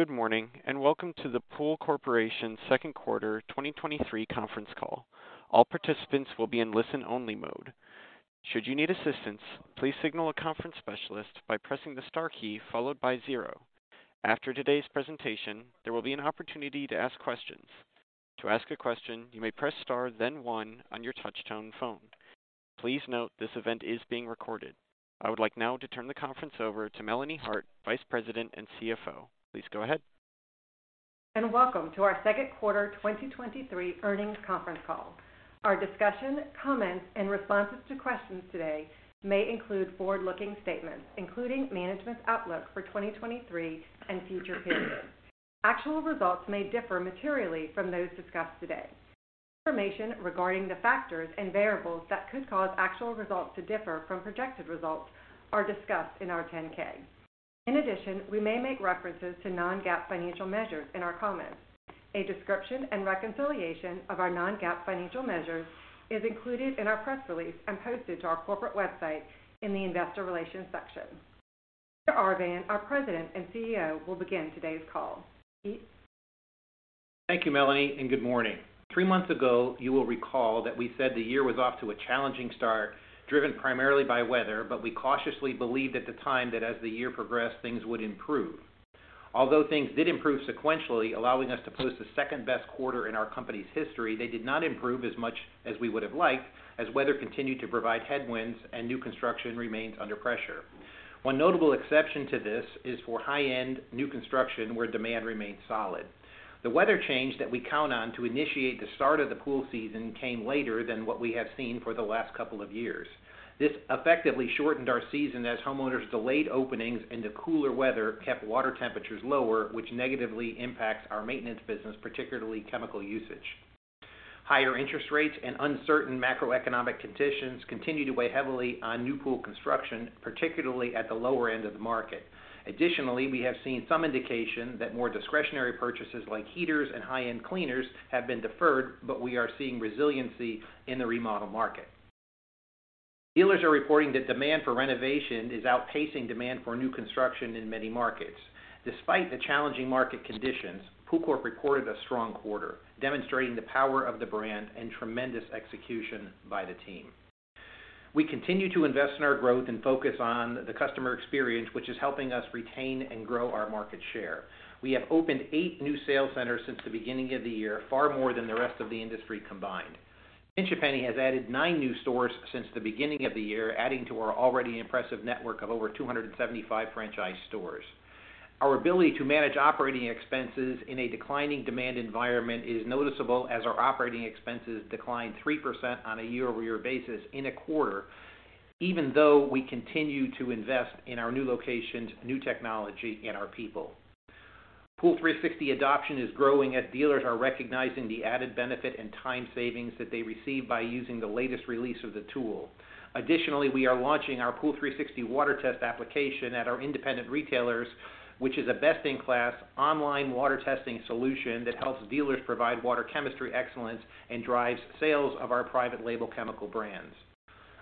Good morning, welcome to the Pool Corporation Second Quarter 2023 conference call. All participants will be in listen-only mode. Should you need assistance, please signal a conference specialist by pressing the star key followed by zero. After today's presentation, there will be an opportunity to ask questions. To ask a question, you may press star, then one on your touchtone phone. Please note, this event is being recorded. I would like now to turn the conference over to Melanie Hart, Vice President and CFO. Please go ahead. Welcome to our second quarter 2023 earnings conference call. Our discussion, comments, and responses to questions today may include forward-looking statements, including management's outlook for 2023 and future periods. Actual results may differ materially from those discussed today. Information regarding the factors and variables that could cause actual results to differ from projected results are discussed in our 10-K. In addition, we may make references to Non-GAAP financial measures in our comments. A description and reconciliation of our Non-GAAP financial measures is included in our press release and posted to our corporate website in the Investor Relations section. Peter Arvan, our President and CEO, will begin today's call. Pete? Thank you, Melanie. Good morning. three months ago, you will recall that we said the year was off to a challenging start, driven primarily by weather, but we cautiously believed at the time that as the year progressed, things would improve. Although things did improve sequentially, allowing us to post the second-best quarter in our company's history, they did not improve as much as we would have liked, as weather continued to provide headwinds and new construction remains under pressure. one notable exception to this is for high-end new construction, where demand remains solid. The weather change that we count on to initiate the start of the pool season came later than what we have seen for the last couple of years. This effectively shortened our season as homeowners delayed openings, and the cooler weather kept water temperatures lower, which negatively impacts our maintenance business, particularly chemical usage. Higher interest rates and uncertain macroeconomic conditions continue to weigh heavily on new pool construction, particularly at the lower end of the market. Additionally, we have seen some indication that more discretionary purchases like heaters and high-end cleaners have been deferred, but we are seeing resiliency in the remodel market. Dealers are reporting that demand for renovation is outpacing demand for new construction in many markets. Despite the challenging market conditions, PoolCorp recorded a strong quarter, demonstrating the power of the brand and tremendous execution by the team. We continue to invest in our growth and focus on the customer experience, which is helping us retain and grow our market share. We have opened eight new sales centers since the beginning of the year, far more than the rest of the industry combined. Pinch A Penny has added 9 new stores since the beginning of the year, adding to our already impressive network of over 275 franchise stores. Our ability to manage operating expenses in a declining demand environment is noticeable as our operating expenses declined 3% on a year-over-year basis in a quarter, even though we continue to invest in our new locations, new technology, and our people. POOL360 adoption is growing as dealers are recognizing the added benefit and time savings that they receive by using the latest release of the tool. We are launching our POOL360 water test application at our independent retailers, which is a best-in-class online water testing solution that helps dealers provide water chemistry excellence and drives sales of our private label chemical brands.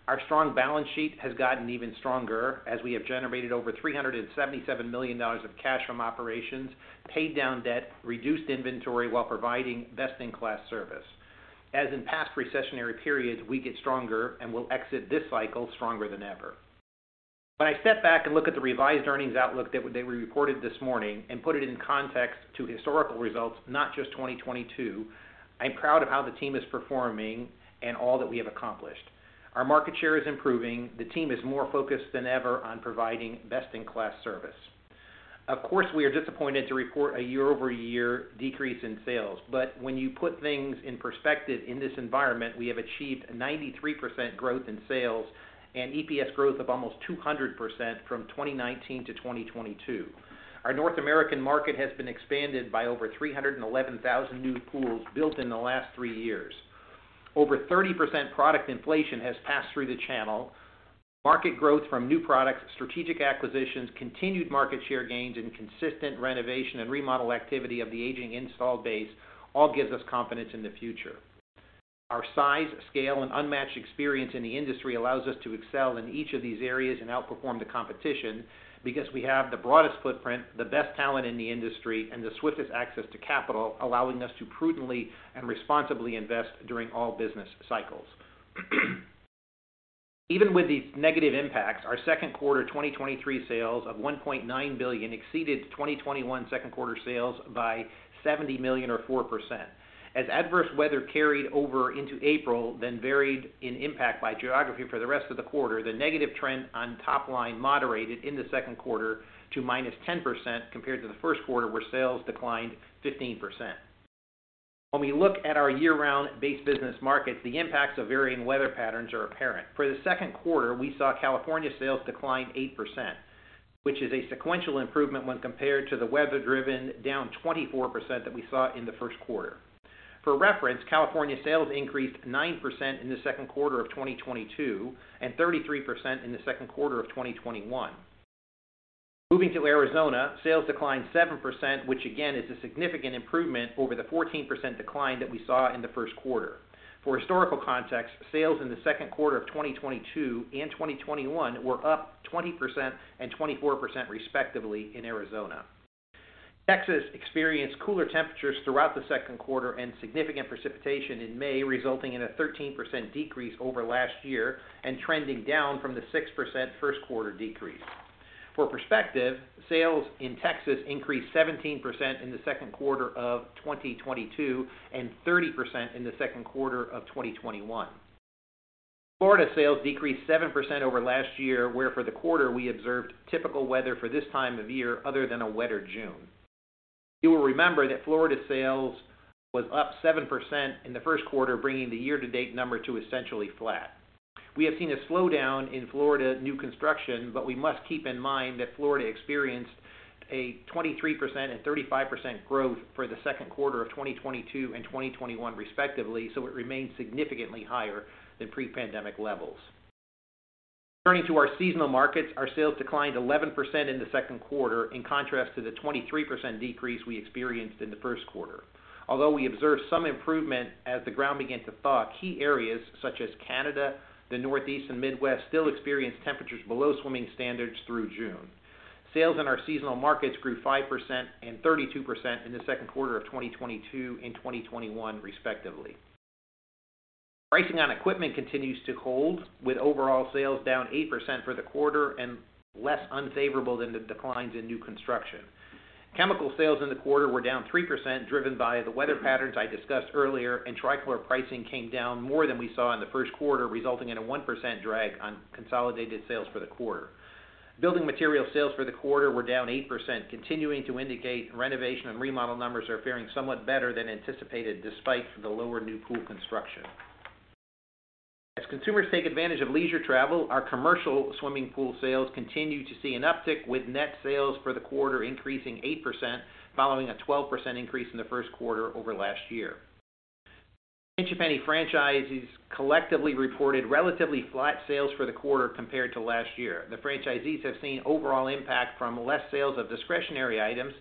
Our strong balance sheet has gotten even stronger as we have generated over $377 million of cash from operations, paid down debt, reduced inventory while providing best-in-class service. As in past recessionary periods, we get stronger and will exit this cycle stronger than ever. When I step back and look at the revised earnings outlook that we reported this morning and put it in context to historical results, not just 2022, I'm proud of how the team is performing and all that we have accomplished. Our market share is improving. The team is more focused than ever on providing best-in-class service. Of course, we are disappointed to report a year-over-year decrease in sales, but when you put things in perspective, in this environment, we have achieved 93% growth in sales and EPS growth of almost 200% from 2019 to 2022. Our North American market has been expanded by over 311,000 new pools built in the last 3 years. Over 30% product inflation has passed through the channel. Market growth from new products, strategic acquisitions, continued market share gains, and consistent renovation and remodel activity of the aging install base all gives us confidence in the future. Our size, scale, and unmatched experience in the industry allows us to excel in each of these areas and outperform the competition because we have the broadest footprint, the best talent in the industry, and the swiftest access to capital, allowing us to prudently and responsibly invest during all business cycles. Even with these negative impacts, our second quarter 2023 sales of $1.9 billion exceeded 2021 second quarter sales by $70 million or 4%. As adverse weather carried over into April, then varied in impact by geography for the rest of the quarter, the negative trend on top line moderated in the second quarter to minus 10% compared to the first quarter, where sales declined 15%. When we look at our year-round base business markets, the impacts of varying weather patterns are apparent. For the second quarter, we saw California sales decline 8%, which is a sequential improvement when compared to the weather-driven, down 24% that we saw in the first quarter. For reference, California sales increased 9% in the second quarter of 2022 and 33% in the second quarter of 2021. Moving to Arizona, sales declined 7%, which again, is a significant improvement over the 14% decline that we saw in the first quarter. For historical context, sales in the second quarter of 2022 and 2021 were up 20% and 24%, respectively, in Arizona. Texas experienced cooler temperatures throughout the second quarter and significant precipitation in May, resulting in a 13% decrease over last year and trending down from the 6% first quarter decrease. For perspective, sales in Texas increased 17% in the second quarter of 2022, and 30% in the second quarter of 2021. Florida sales decreased 7% over last year, where for the quarter we observed typical weather for this time of year other than a wetter June. You will remember that Florida sales was up 7% in the first quarter, bringing the year-to-date number to essentially flat. We have seen a slowdown in Florida new construction. We must keep in mind that Florida experienced a 23% and 35% growth for the second quarter of 2022 and 2021 respectively. It remains significantly higher than pre-pandemic levels. Turning to our seasonal markets, our sales declined 11% in the second quarter, in contrast to the 23% decrease we experienced in the first quarter. Although we observed some improvement as the ground began to thaw, key areas such as Canada, the Northeast and Midwest, still experienced temperatures below swimming standards through June. Sales in our seasonal markets grew 5% and 32% in the second quarter of 2022 and 2021, respectively. Pricing on equipment continues to hold, with overall sales down 8% for the quarter and less unfavorable than the declines in new construction. Chemical sales in the quarter were down 3%, driven by the weather patterns I discussed earlier, and trichlor pricing came down more than we saw in the first quarter, resulting in a 1% drag on consolidated sales for the quarter. Building material sales for the quarter were down 8%, continuing to indicate renovation and remodel numbers are faring somewhat better than anticipated, despite the lower new pool construction. As consumers take advantage of leisure travel, our commercial swimming pool sales continue to see an uptick, with net sales for the quarter increasing 8%, following a 12% increase in the first quarter over last year. Pinch A Penny franchises collectively reported relatively flat sales for the quarter compared to last year. The franchisees have seen overall impact from less sales of discretionary items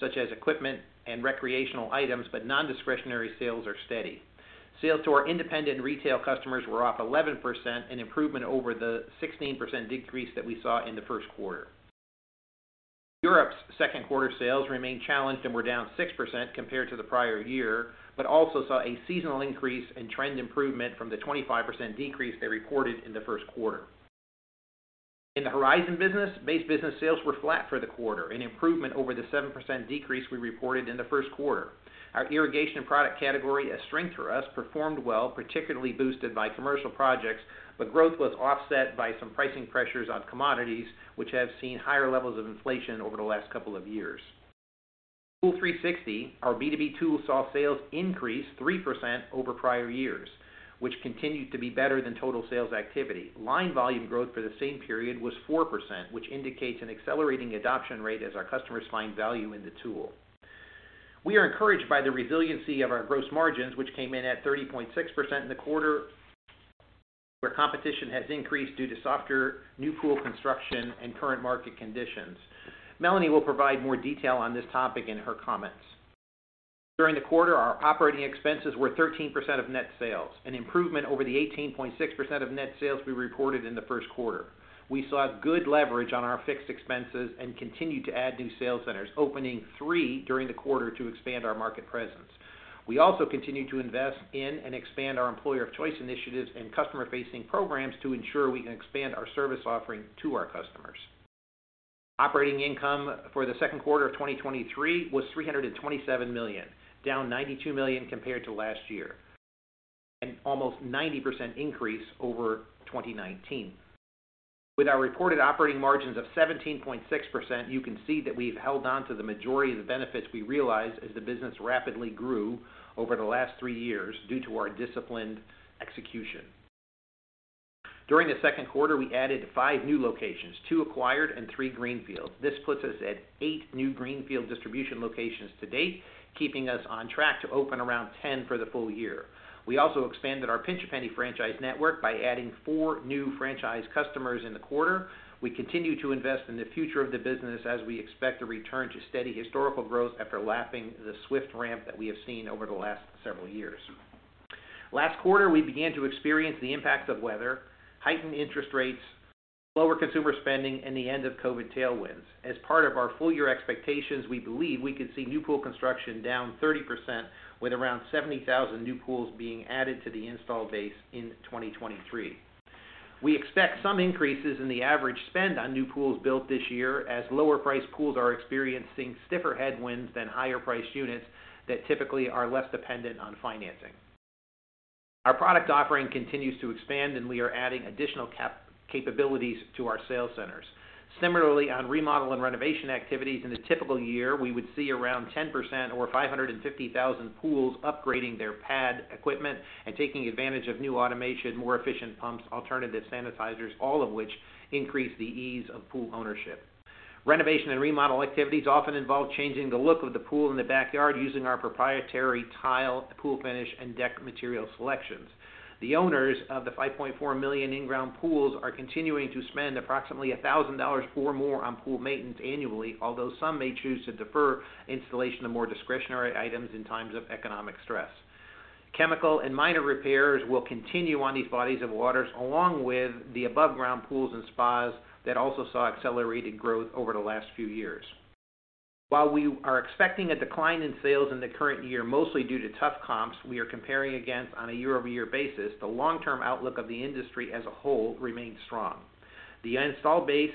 such as equipment and recreational items, but non-discretionary sales are steady. Sales to our independent retail customers were off 11%, an improvement over the 16% decrease that we saw in the first quarter. Europe's second quarter sales remained challenged and were down 6% compared to the prior year, also saw a seasonal increase in trend improvement from the 25% decrease they reported in the first quarter. In the Horizon business, base business sales were flat for the quarter, an improvement over the 7% decrease we reported in the first quarter. Our irrigation product category, a strength for us, performed well, particularly boosted by commercial projects, but growth was offset by some pricing pressures on commodities, which have seen higher levels of inflation over the last couple of years. POOL360, our B2B tool, saw sales increase 3% over prior years, which continued to be better than total sales activity. Line volume growth for the same period was 4%, which indicates an accelerating adoption rate as our customers find value in the tool. We are encouraged by the resiliency of our gross margins, which came in at 30.6% in the quarter, where competition has increased due to softer new pool construction and current market conditions. Melanie will provide more detail on this topic in her comments. During the quarter, our operating expenses were 13% of net sales, an improvement over the 18.6% of net sales we reported in the first quarter. We saw good leverage on our fixed expenses and continued to add new sales centers, opening 3 during the quarter to expand our market presence. We also continued to invest in and expand our employer of choice initiatives and customer-facing programs to ensure we can expand our service offering to our customers. Operating income for the second quarter of 2023 was $327 million, down $92 million compared to last year. Almost 90% increase over 2019. With our reported operating margins of 17.6%, you can see that we've held on to the majority of the benefits we realized as the business rapidly grew over the last three years due to our disciplined execution. During the second quarter, we added five new locations, two acquired and three greenfields. This puts us at eight new greenfield distribution locations to date, keeping us on track to open around 10 for the full year. We also expanded our Pinch A Penny franchise network by adding 4 new franchise customers in the quarter. We continue to invest in the future of the business as we expect a return to steady historical growth after lapping the swift ramp that we have seen over the last several years. Last quarter, we began to experience the impacts of weather, heightened interest rates, lower consumer spending, and the end of COVID tailwinds. As part of our full year expectations, we believe we could see new pool construction down 30%, with around 70,000 new pools being added to the install base in 2023. We expect some increases in the average spend on new pools built this year, as lower priced pools are experiencing stiffer headwinds than higher priced units that typically are less dependent on financing. Our product offering continues to expand, and we are adding additional capabilities to our sales centers. Similarly, on remodel and renovation activities, in a typical year, we would see around 10% or 550,000 pools upgrading their pad equipment and taking advantage of new automation, more efficient pumps, alternative sanitizers, all of which increase the ease of pool ownership. Renovation and remodel activities often involve changing the look of the pool in the backyard using our proprietary tile, pool finish, and deck material selections. The owners of the 5.4 million in-ground pools are continuing to spend approximately $1,000 or more on pool maintenance annually, although some may choose to defer installation of more discretionary items in times of economic stress. chemical and minor repairs will continue on these bodies of waters, along with the above ground pools and spas that also saw accelerated growth over the last few years. While we are expecting a decline in sales in the current year, mostly due to tough comps, we are comparing against on a year-over-year basis, the long-term outlook of the industry as a whole remains strong. The install base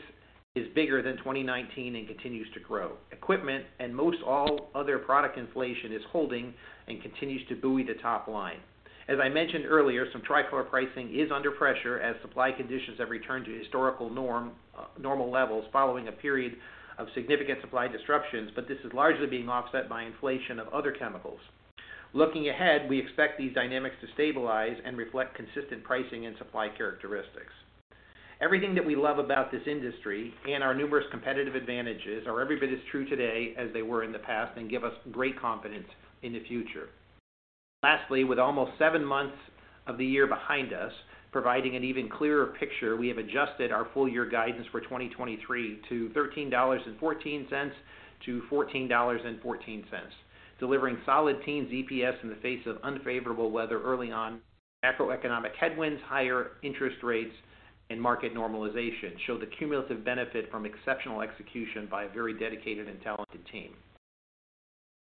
is bigger than 2019 and continues to grow. Equipment and most all other product inflation is holding and continues to buoy the top line. As I mentioned earlier, some trichlor pricing is under pressure as supply conditions have returned to historical normal levels following a period of significant supply disruptions, but this is largely being offset by inflation of other chemicals. Looking ahead, we expect these dynamics to stabilize and reflect consistent pricing and supply characteristics. Everything that we love about this industry and our numerous competitive advantages are every bit as true today as they were in the past, give us great confidence in the future. Lastly, with almost seven months of the year behind us, providing an even clearer picture, we have adjusted our full year guidance for 2023 to $13.14-$14.14, delivering solid teens EPS in the face of unfavorable weather early on, macroeconomic headwinds, higher interest rates, and market normalization, show the cumulative benefit from exceptional execution by a very dedicated and talented team.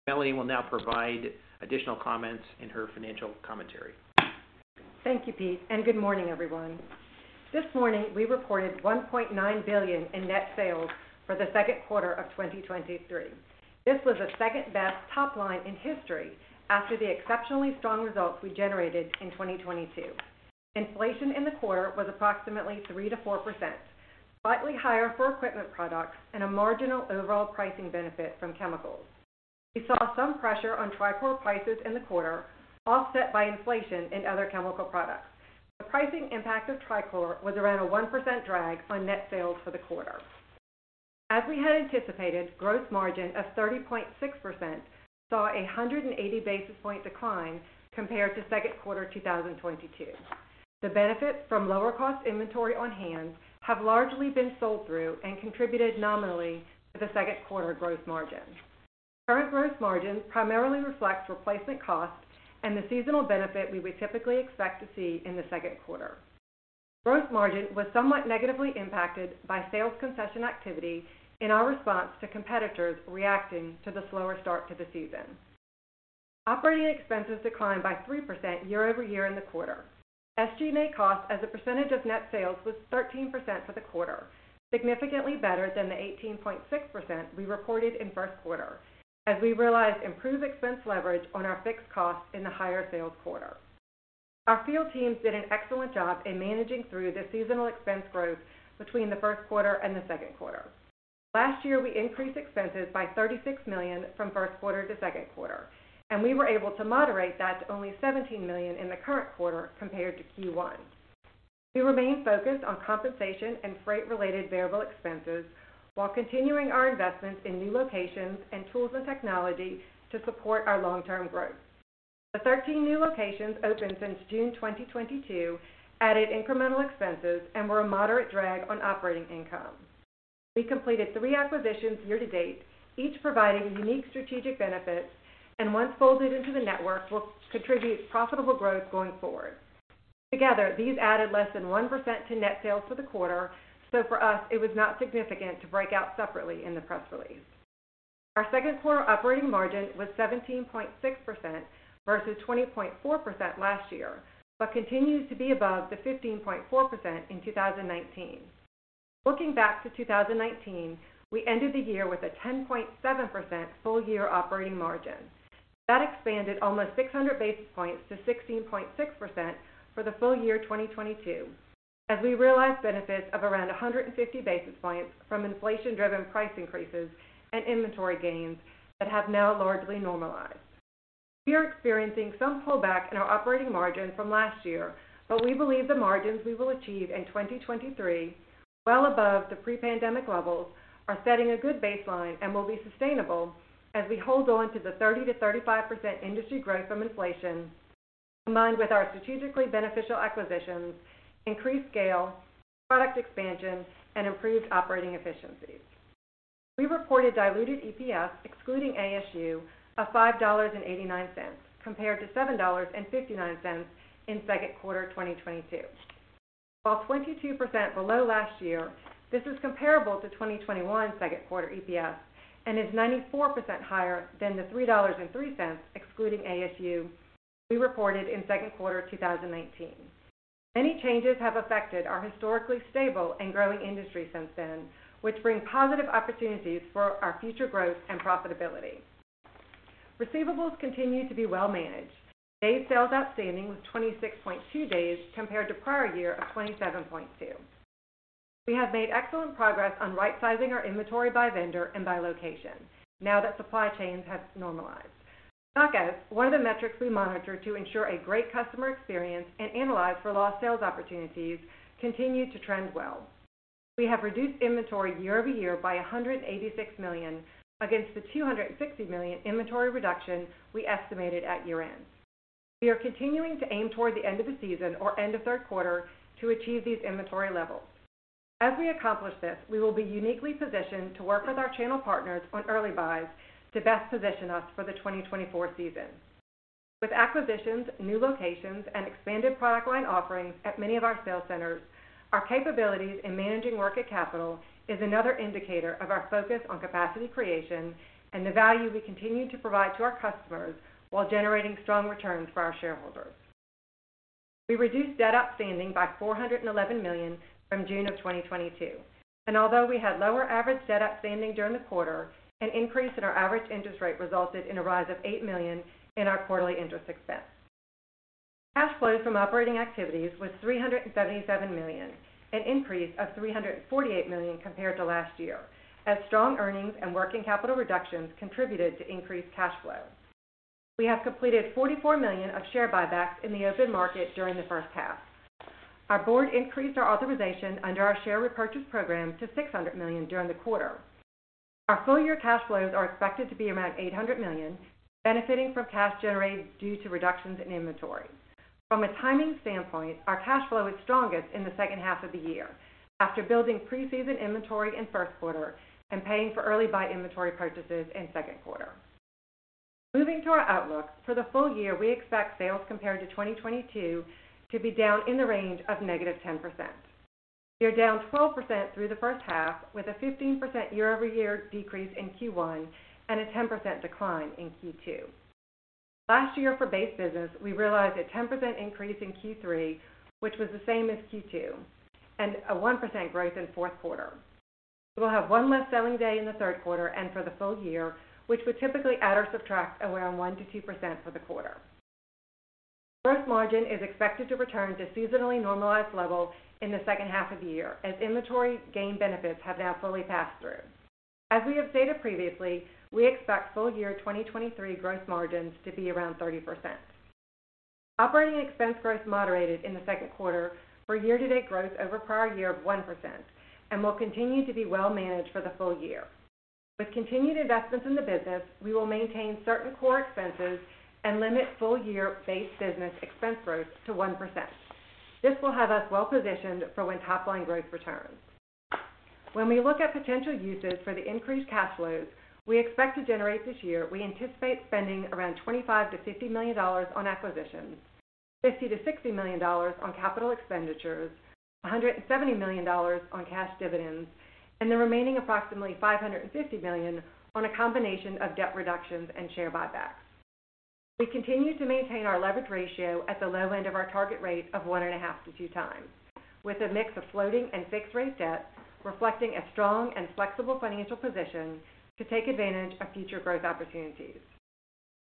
Melanie will now provide additional comments in her financial commentary. Thank you, Pete, and good morning, everyone. This morning we reported $1.9 billion in net sales for the second quarter of 2023. This was the second-best top line in history after the exceptionally strong results we generated in 2022. Inflation in the quarter was approximately 3%-4%, slightly higher for equipment products and a marginal overall pricing benefit from chemicals. We saw some pressure on trichlor prices in the quarter, offset by inflation in other chemical products. The pricing impact of trichlor was around a 1% drag on net sales for the quarter. As we had anticipated, gross margin of 30.6% saw a 180 basis point decline compared to second quarter 2022. The benefits from lower cost inventory on hand have largely been sold through and contributed nominally to the second quarter gross margin. Current gross margin primarily reflects replacement costs and the seasonal benefit we would typically expect to see in the second quarter. Gross margin was somewhat negatively impacted by sales concession activity in our response to competitors reacting to the slower start to the season. Operating expenses declined by 3% year-over-year in the quarter. SG&A cost as a percentage of net sales was 13% for the quarter, significantly better than the 18.6% we reported in first quarter, as we realized improved expense leverage on our fixed costs in the higher sales quarter. Our field teams did an excellent job in managing through the seasonal expense growth between the first quarter and the second quarter. Last year, we increased expenses by $36 million from first quarter to second quarter. We were able to moderate that to only $17 million in the current quarter compared to Q1. We remain focused on compensation and freight-related variable expenses, while continuing our investments in new locations and tools and technology to support our long-term growth. The 13 new locations opened since June 2022, added incremental expenses and were a moderate drag on operating income. We completed three acquisitions year to date, each providing unique strategic benefits and once folded into the network, will contribute profitable growth going forward. Together, these added less than 1% to net sales for the quarter. For us, it was not significant to break out separately in the press release. Our second quarter operating margin was 17.6% versus 20.4% last year, continues to be above the 15.4% in 2019. Looking back to 2019, we ended the year with a 10.7% full year operating margin. That expanded almost 600 basis points to 16.6% for the full year 2022, as we realized benefits of around 150 basis points from inflation-driven price increases and inventory gains that have now largely normalized. We are experiencing some pullback in our operating margin from last year, but we believe the margins we will achieve in 2023, well above the pre-pandemic levels, are setting a good baseline and will be sustainable as we hold on to the 30%-35% industry growth from inflation, combined with our strategically beneficial acquisitions, increased scale, product expansion, and improved operating efficiencies. We reported diluted EPS, excluding ASU, of $5.89, compared to $7.59 in second quarter 2022. While 22% below last year, this is comparable to 2021 second quarter EPS and is 94% higher than the $3.03, excluding ASU, we reported in second quarter 2019. Many changes have affected our historically stable and growing industry since then, which bring positive opportunities for our future growth and profitability. Receivables continue to be well managed. Day sales outstanding was 26.2 days, compared to prior year of 27.2. We have made excellent progress on right sizing our inventory by vendor and by location now that supply chains have normalized. Stockouts, one of the metrics we monitor to ensure a great customer experience and analyze for lost sales opportunities, continue to trend well. We have reduced inventory year-over-year by $186 million, against the $260 million inventory reduction we estimated at year-end. We are continuing to aim toward the end of the season or end of third quarter to achieve these inventory levels. As we accomplish this, we will be uniquely positioned to work with our channel partners on early buys to best position us for the 2024 season. With acquisitions, new locations, and expanded product line offerings at many of our sales centers, our capabilities in managing working capital is another indicator of our focus on capacity creation and the value we continue to provide to our customers while generating strong returns for our shareholders. We reduced debt outstanding by $411 million from June of 2022, and although we had lower average debt outstanding during the quarter, an increase in our average interest rate resulted in a rise of $8 million in our quarterly interest expense. Cash flows from operating activities was $377 million, an increase of $348 million compared to last year, as strong earnings and working capital reductions contributed to increased cash flow. We have completed $44 million of share buybacks in the open market during the first half. Our board increased our authorization under our share repurchase program to $600 million during the quarter. Our full year cash flows are expected to be around $800 million, benefiting from cash generated due to reductions in inventory. From a timing standpoint, our cash flow is strongest in the second half of the year, after building preseason inventory in first quarter and paying for early buy inventory purchases in second quarter. Moving to our outlook. For the full year, we expect sales compared to 2022 to be down in the range of -10%. We are down 12% through the first half, with a 15% year-over-year decrease in Q1 and a 10% decline in Q2. Last year for base business, we realized a 10% increase in Q3, which was the same as Q2, and a 1% growth in fourth quarter. We will have 1 less selling day in the third quarter for the full year, which would typically add or subtract around 1%-2% for the quarter. Gross margin is expected to return to seasonally normalized level in the second half of the year, as inventory gain benefits have now fully passed through. We have stated previously, we expect full year 2023 gross margins to be around 30%. Operating expense growth moderated in the second quarter for year-to-date growth over prior year of 1% will continue to be well managed for the full year. With continued investments in the business, we will maintain certain core expenses and limit full-year base business expense growth to 1%. This will have us well positioned for when top line growth returns. When we look at potential uses for the increased cash flows we expect to generate this year, we anticipate spending around $25 million-$50 million on acquisitions, $50 million-$60 million on capital expenditures, $170 million on cash dividends, and the remaining approximately $550 million on a combination of debt reductions and share buybacks. We continue to maintain our leverage ratio at the low end of our target rate of 1.5-2x, with a mix of floating and fixed rate debt, reflecting a strong and flexible financial position to take advantage of future growth opportunities.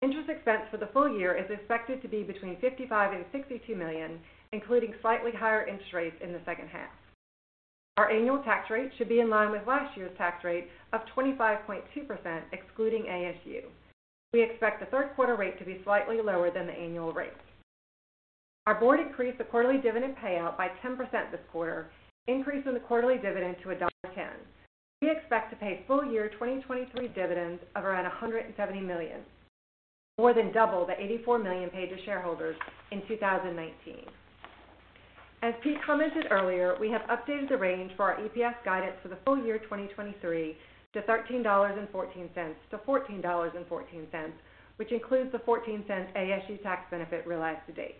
Interest expense for the full year is expected to be between $55 million and $62 million, including slightly higher interest rates in the second half. Our annual tax rate should be in line with last year's tax rate of 25.2%, excluding ASU. We expect the third quarter rate to be slightly lower than the annual rate. Our board increased the quarterly dividend payout by 10% this quarter, increasing the quarterly dividend to $1.10. We expect to pay full year 2023 dividends of around $170 million, more than double the $84 million paid to shareholders in 2019. As Pete commented earlier, we have updated the range for our EPS guidance for the full year 2023 to $13.14-$14.14, which includes the $0.14 ASU tax benefit realized to date.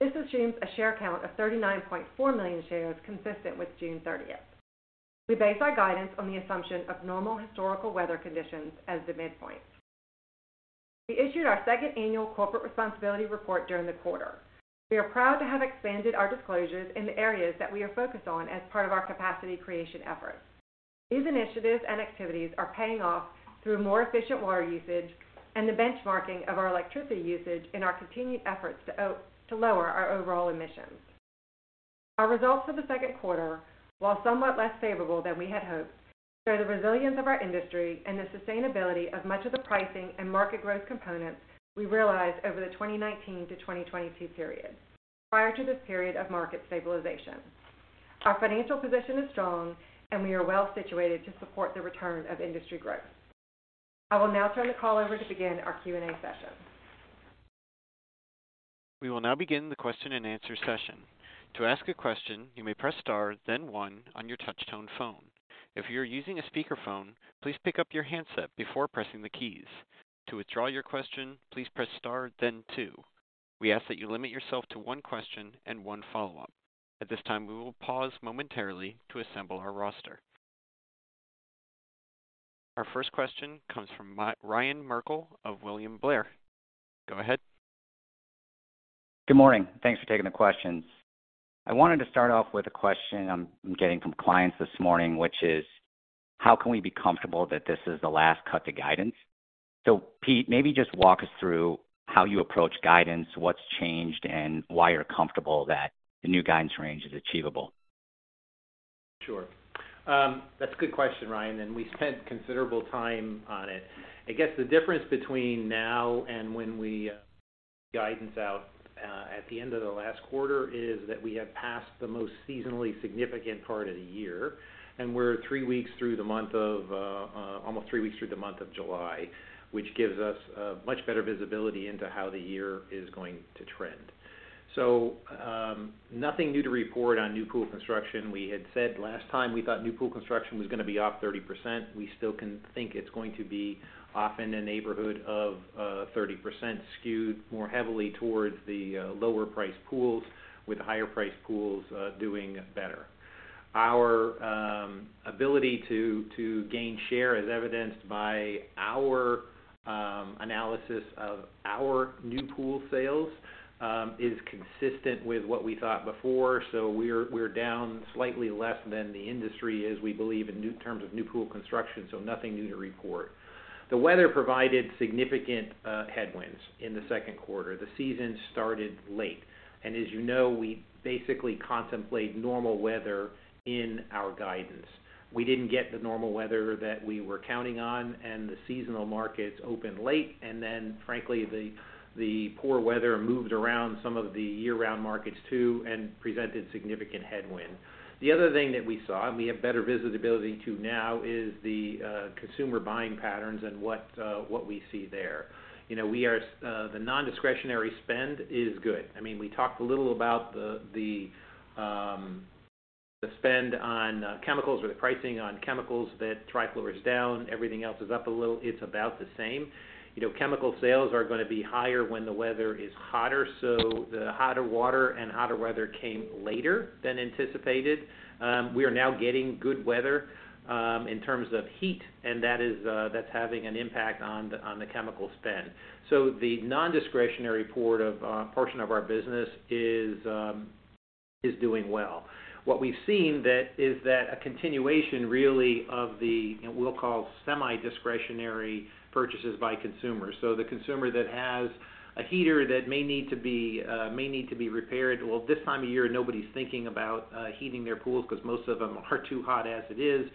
This assumes a share count of 39.4 million shares, consistent with June 30th. We base our guidance on the assumption of normal historical weather conditions as the midpoint. We issued our second annual corporate responsibility report during the quarter. We are proud to have expanded our disclosures in the areas that we are focused on as part of our capacity creation efforts. These initiatives and activities are paying off through more efficient water usage and the benchmarking of our electricity usage in our continued efforts to lower our overall emissions. Our results for the second quarter, while somewhat less favorable than we had hoped, show the resilience of our industry and the sustainability of much of the pricing and market growth components we realized over the 2019 to 2022 period, prior to this period of market stabilization. Our financial position is strong, and we are well situated to support the return of industry growth. I will now turn the call over to begin our Q&A session. We will now begin the question-and-answer session. To ask a question, you may press star, then one on your touchtone phone. If you are using a speakerphone, please pick up your handset before pressing the keys. To withdraw your question, please press star then two. We ask that you limit yourself to one question and one follow-up. At this time, we will pause momentarily to assemble our roster. Our first question comes from Ryan Merkel of William Blair. Go ahead. Good morning. Thanks for taking the questions. I wanted to start off with a question I'm getting from clients this morning, which is: How can we be comfortable that this is the last cut to guidance? Pete, maybe just walk us through how you approach guidance, what's changed, and why you're comfortable that the new guidance range is achievable. Sure. That's a good question, Ryan, we spent considerable time on it. I guess the difference between now and when we guidance out at the end of the last quarter, is that we have passed the most seasonally significant part of the year, and we're almost 3 weeks through the month of July, which gives us much better visibility into how the year is going to trend. Nothing new to report on new pool construction. We had said last time we thought new pool construction was going to be off 30%. We still can think it's going to be off in the neighborhood of 30%, skewed more heavily towards the lower-priced pools, with higher-priced pools doing better. Our ability to gain share, as evidenced by our analysis of our new pool sales, is consistent with what we thought before. We're down slightly less than the industry is, we believe, in new terms of new pool construction, so nothing new to report. The weather provided significant headwinds in the second quarter. The season started late, as you know, we basically contemplate normal weather in our guidance. We didn't get the normal weather that we were counting on, the seasonal markets opened late. Frankly, the poor weather moved around some of the year-round markets, too, and presented significant headwind. The other thing that we saw, and we have better visibility to now, is the consumer buying patterns and what we see there. You know, we are the nondiscretionary spend is good. I mean, we talked a little about the spend on chemicals or the pricing on chemicals, that trichlor is down, everything else is up a little. It's about the same. You know, chemical sales are gonna be higher when the weather is hotter, so the hotter water and hotter weather came later than anticipated. We are now getting good weather in terms of heat, and that is that's having an impact on the chemical spend. The nondiscretionary part of portion of our business is doing well. What we've seen is that a continuation, really, of the, we'll call semi-discretionary purchases by consumers. The consumer that has a heater that may need to be repaired, well, this time of year, nobody's thinking about heating their pools because most of them are too hot as it is.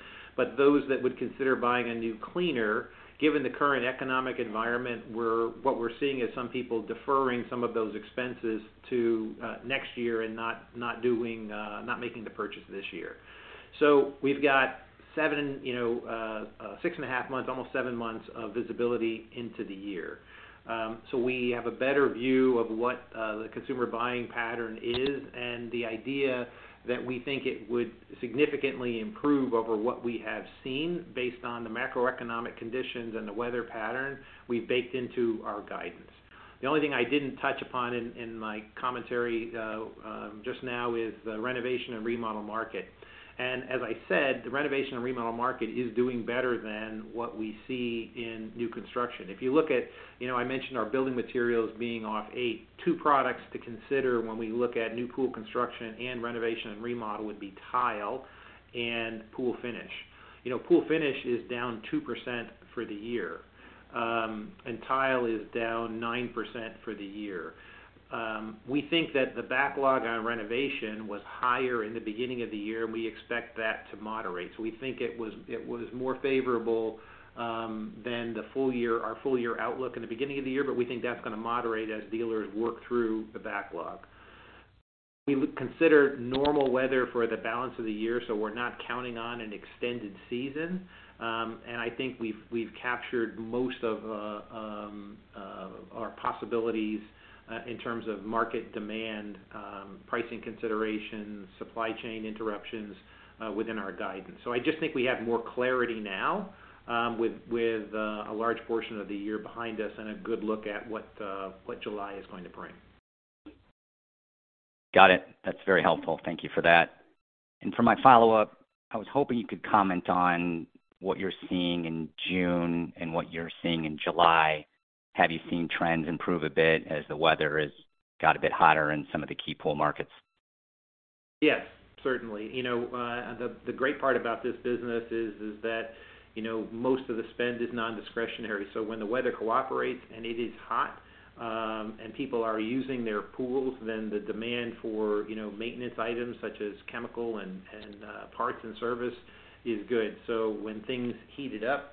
Those that would consider buying a new cleaner, given the current economic environment, what we're seeing is some people deferring some of those expenses to next year and not doing not making the purchase this year. We've got 7, you know, 6.5 months, almost 7 months of visibility into the year. We have a better view of what the consumer buying pattern is, and the idea that we think it would significantly improve over what we have seen based on the macroeconomic conditions and the weather pattern we've baked into our guidance. The only thing I didn't touch upon in my commentary just now is the renovation and remodel market. As I said, the renovation and remodel market is doing better than what we see in new construction. If you look at, you know, I mentioned our building materials being off 8. Two products to consider when we look at new pool construction and renovation and remodel would be tile and pool finish. You know, pool finish is down 2% for the year, and tile is down 9% for the year. We think that the backlog on renovation was higher in the beginning of the year, and we expect that to moderate. We think it was more favorable than the full year, our full-year outlook in the beginning of the year, but we think that's gonna moderate as dealers work through the backlog. We would consider normal weather for the balance of the year, so we're not counting on an extended season. I think we've captured most of our possibilities in terms of market demand, pricing considerations, supply chain interruptions within our guidance. I just think we have more clarity now with a large portion of the year behind us and a good look at what July is going to bring. Got it. That's very helpful. Thank you for that. For my follow-up, I was hoping you could comment on what you're seeing in June and what you're seeing in July. Have you seen trends improve a bit as the weather has got a bit hotter in some of the key pool markets? Yes, certainly. You know, the great part about this business is that, you know, most of the spend is nondiscretionary. When the weather cooperates and it is hot, and people are using their pools, then the demand for, you know, maintenance items such as chemical and parts and service is good. When things heated up,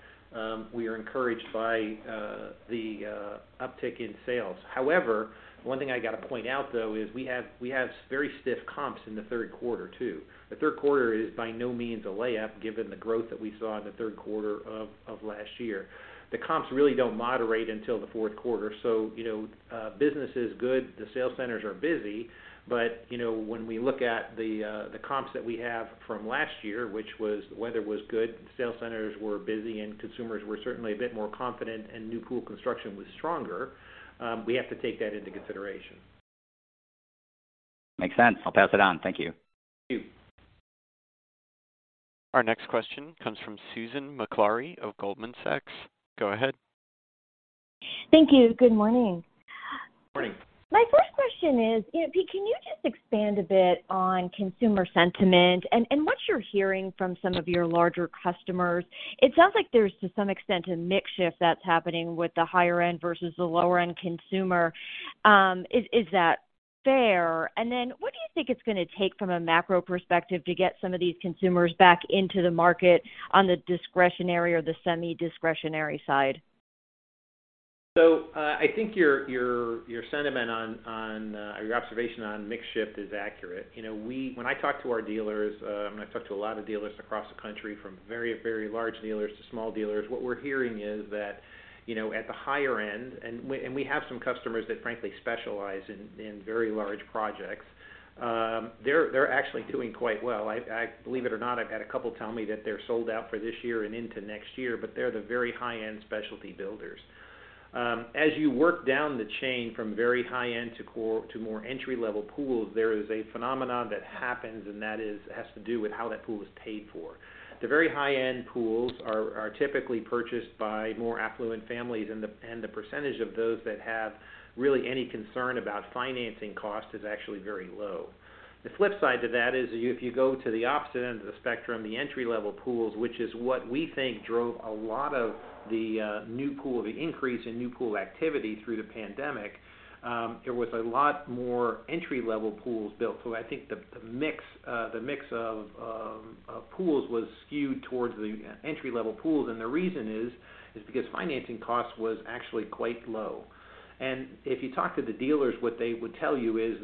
we are encouraged by the uptick in sales. However, one thing I got to point out, though, is we have very stiff comps in the third quarter, too. The third quarter is by no means a layup, given the growth that we saw in the third quarter of last year. The comps really don't moderate until the fourth quarter. you know, business is good, the sales centers are busy, but, you know, when we look at the comps that we have from last year, which was, the weather was good, sales centers were busy and consumers were certainly a bit more confident and new pool construction was stronger, we have to take that into consideration. Makes sense. I'll pass it on. Thank you. Thank you. Our next question comes from Susan Maklari of Goldman Sachs. Go ahead. Thank you. Good morning. Morning. My first question is, you know, Pete, can you just expand a bit on consumer sentiment and what you're hearing from some of your larger customers? It sounds like there's, to some extent, a mix shift that's happening with the higher-end versus the lower-end consumer. Is, is that fair? What do you think it's gonna take from a macro perspective to get some of these consumers back into the market on the discretionary or the semi-discretionary side? I think your sentiment on, or your observation on mix shift is accurate. You know, when I talk to our dealers, and I've talked to a lot of dealers across the country, from very, very large dealers to small dealers, what we're hearing is that, you know, at the higher end, and we have some customers that frankly specialize in very large projects, they're actually doing quite well. I believe it or not, I've had a couple tell me that they're sold out for this year and into next year, but they're the very high-end specialty builders. As you work down the chain from very high-end to core, to more entry-level pools, there is a phenomenon that happens, and that has to do with how that pool is paid for. The very high-end pools are typically purchased by more affluent families, and the percentage of those that have really any concern about financing cost is actually very low. The flip side to that is if you go to the opposite end of the spectrum, the entry-level pools, which is what we think drove a lot of the new pool, the increase in new pool activity through the pandemic, there was a lot more entry-level pools built. I think the mix of pools was skewed towards the entry-level pools, and the reason is because financing costs was actually quite low. If you talk to the dealers, what they would tell you is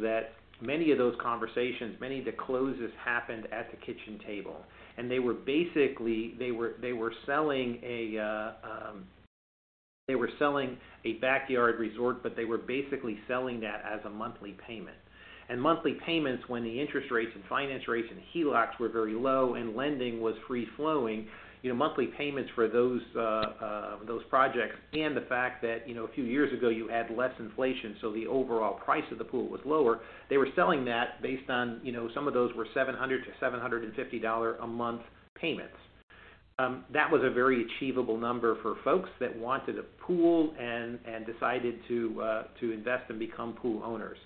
that many of those conversations, many of the closes happened at the kitchen table. They were selling a backyard resort, but they were basically selling that as a monthly payment. Monthly payments, when the interest rates and finance rates and HELOCs were very low and lending was free flowing, you know, monthly payments for those projects, and the fact that, you know, a few years ago, you had less inflation, so the overall price of the pool was lower, they were selling that based on, you know, some of those were $700-$750 a month payments. That was a very achievable number for folks that wanted a pool and decided to invest and become pool owners.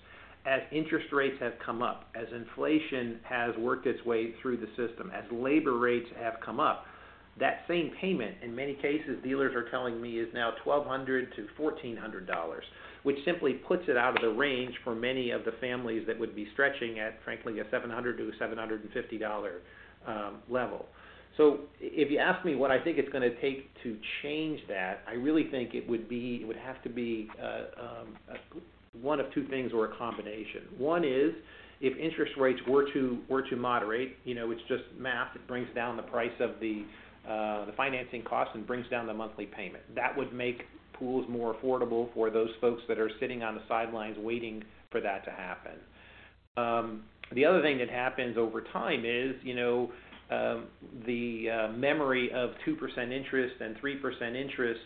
As interest rates have come up, as inflation has worked its way through the system, as labor rates have come up, that same payment, in many cases, dealers are telling me, is now $1,200-$1,400, which simply puts it out of the range for many of the families that would be stretching at, frankly, a $700-$750 level. If you ask me what I think it's going to take to change that, I really think it would have to be one of two things or a combination. One is, if interest rates were to moderate, you know, it's just math. It brings down the price of the financing cost and brings down the monthly payment. That would make pools more affordable for those folks that are sitting on the sidelines waiting for that to happen. The other thing that happens over time is, you know, the memory of 2% interest and 3% interest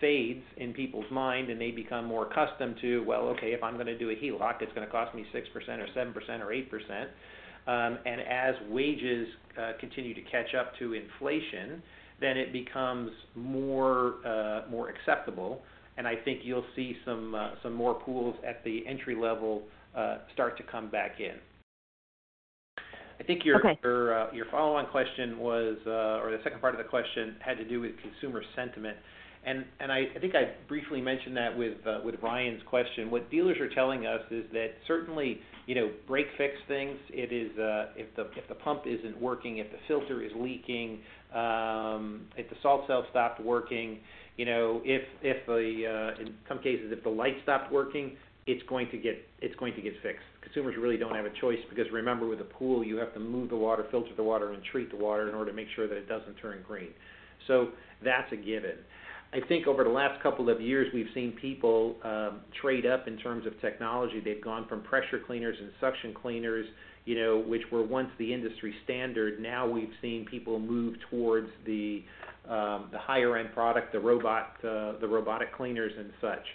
fades in people's mind, and they become more accustomed to, Well, okay, if I'm going to do a HELOC, it's going to cost me 6% or 7% or 8%. As wages continue to catch up to inflation, then it becomes more, more acceptable, and I think you'll see some more pools at the entry level, start to come back in. I think Okay.... your follow-on question was, or the second part of the question had to do with consumer sentiment. I think I briefly mentioned that with Ryan's question. What dealers are telling us is that certainly, you know, break-fix things, it is, if the pump isn't working, if the filter is leaking, if the salt cell stopped working, you know, if, in some cases, if the light stops working, it's going to get fixed. Consumers really don't have a choice because remember, with a pool, you have to move the water, filter the water, and treat the water in order to make sure that it doesn't turn green. That's a given. I think over the last couple of years, we've seen people trade up in terms of technology. They've gone from pressure cleaners and suction cleaners, you know, which were once the industry standard. Now we've seen people move towards the higher-end product, the robot, the robotic cleaners and such,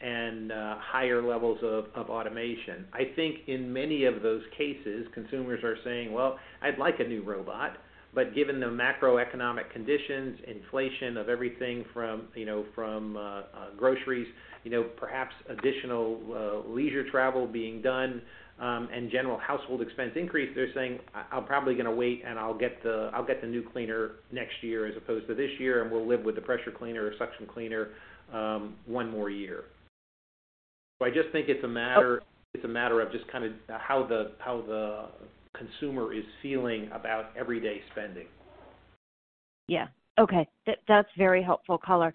and, higher levels of automation. I think in many of those cases, consumers are saying, "Well, I'd like a new robot," but given the macroeconomic conditions, inflation of everything from, you know, from, groceries, you know, perhaps additional, leisure travel being done, and general household expense increase, they're saying, "I'll probably going to wait, and I'll get the new cleaner next year as opposed to this year, and we'll live with the pressure cleaner or suction cleaner, one more year." I just think it's a matter- Okay... it's a matter of just kind of how the consumer is feeling about everyday spending. Yeah. Okay. That's very helpful color.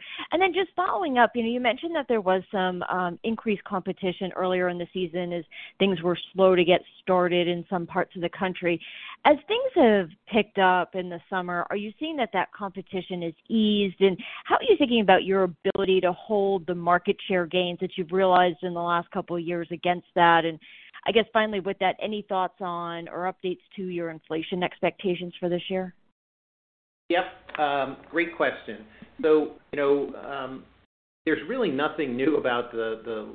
Just following up, you know, you mentioned that there was some increased competition earlier in the season as things were slow to get started in some parts of the country. As things have picked up in the summer, are you seeing that that competition has eased? How are you thinking about your ability to hold the market share gains that you've realized in the last couple of years against that? I guess finally, with that, any thoughts on or updates to your inflation expectations for this year? Yep. Great question. You know, there's really nothing new about the,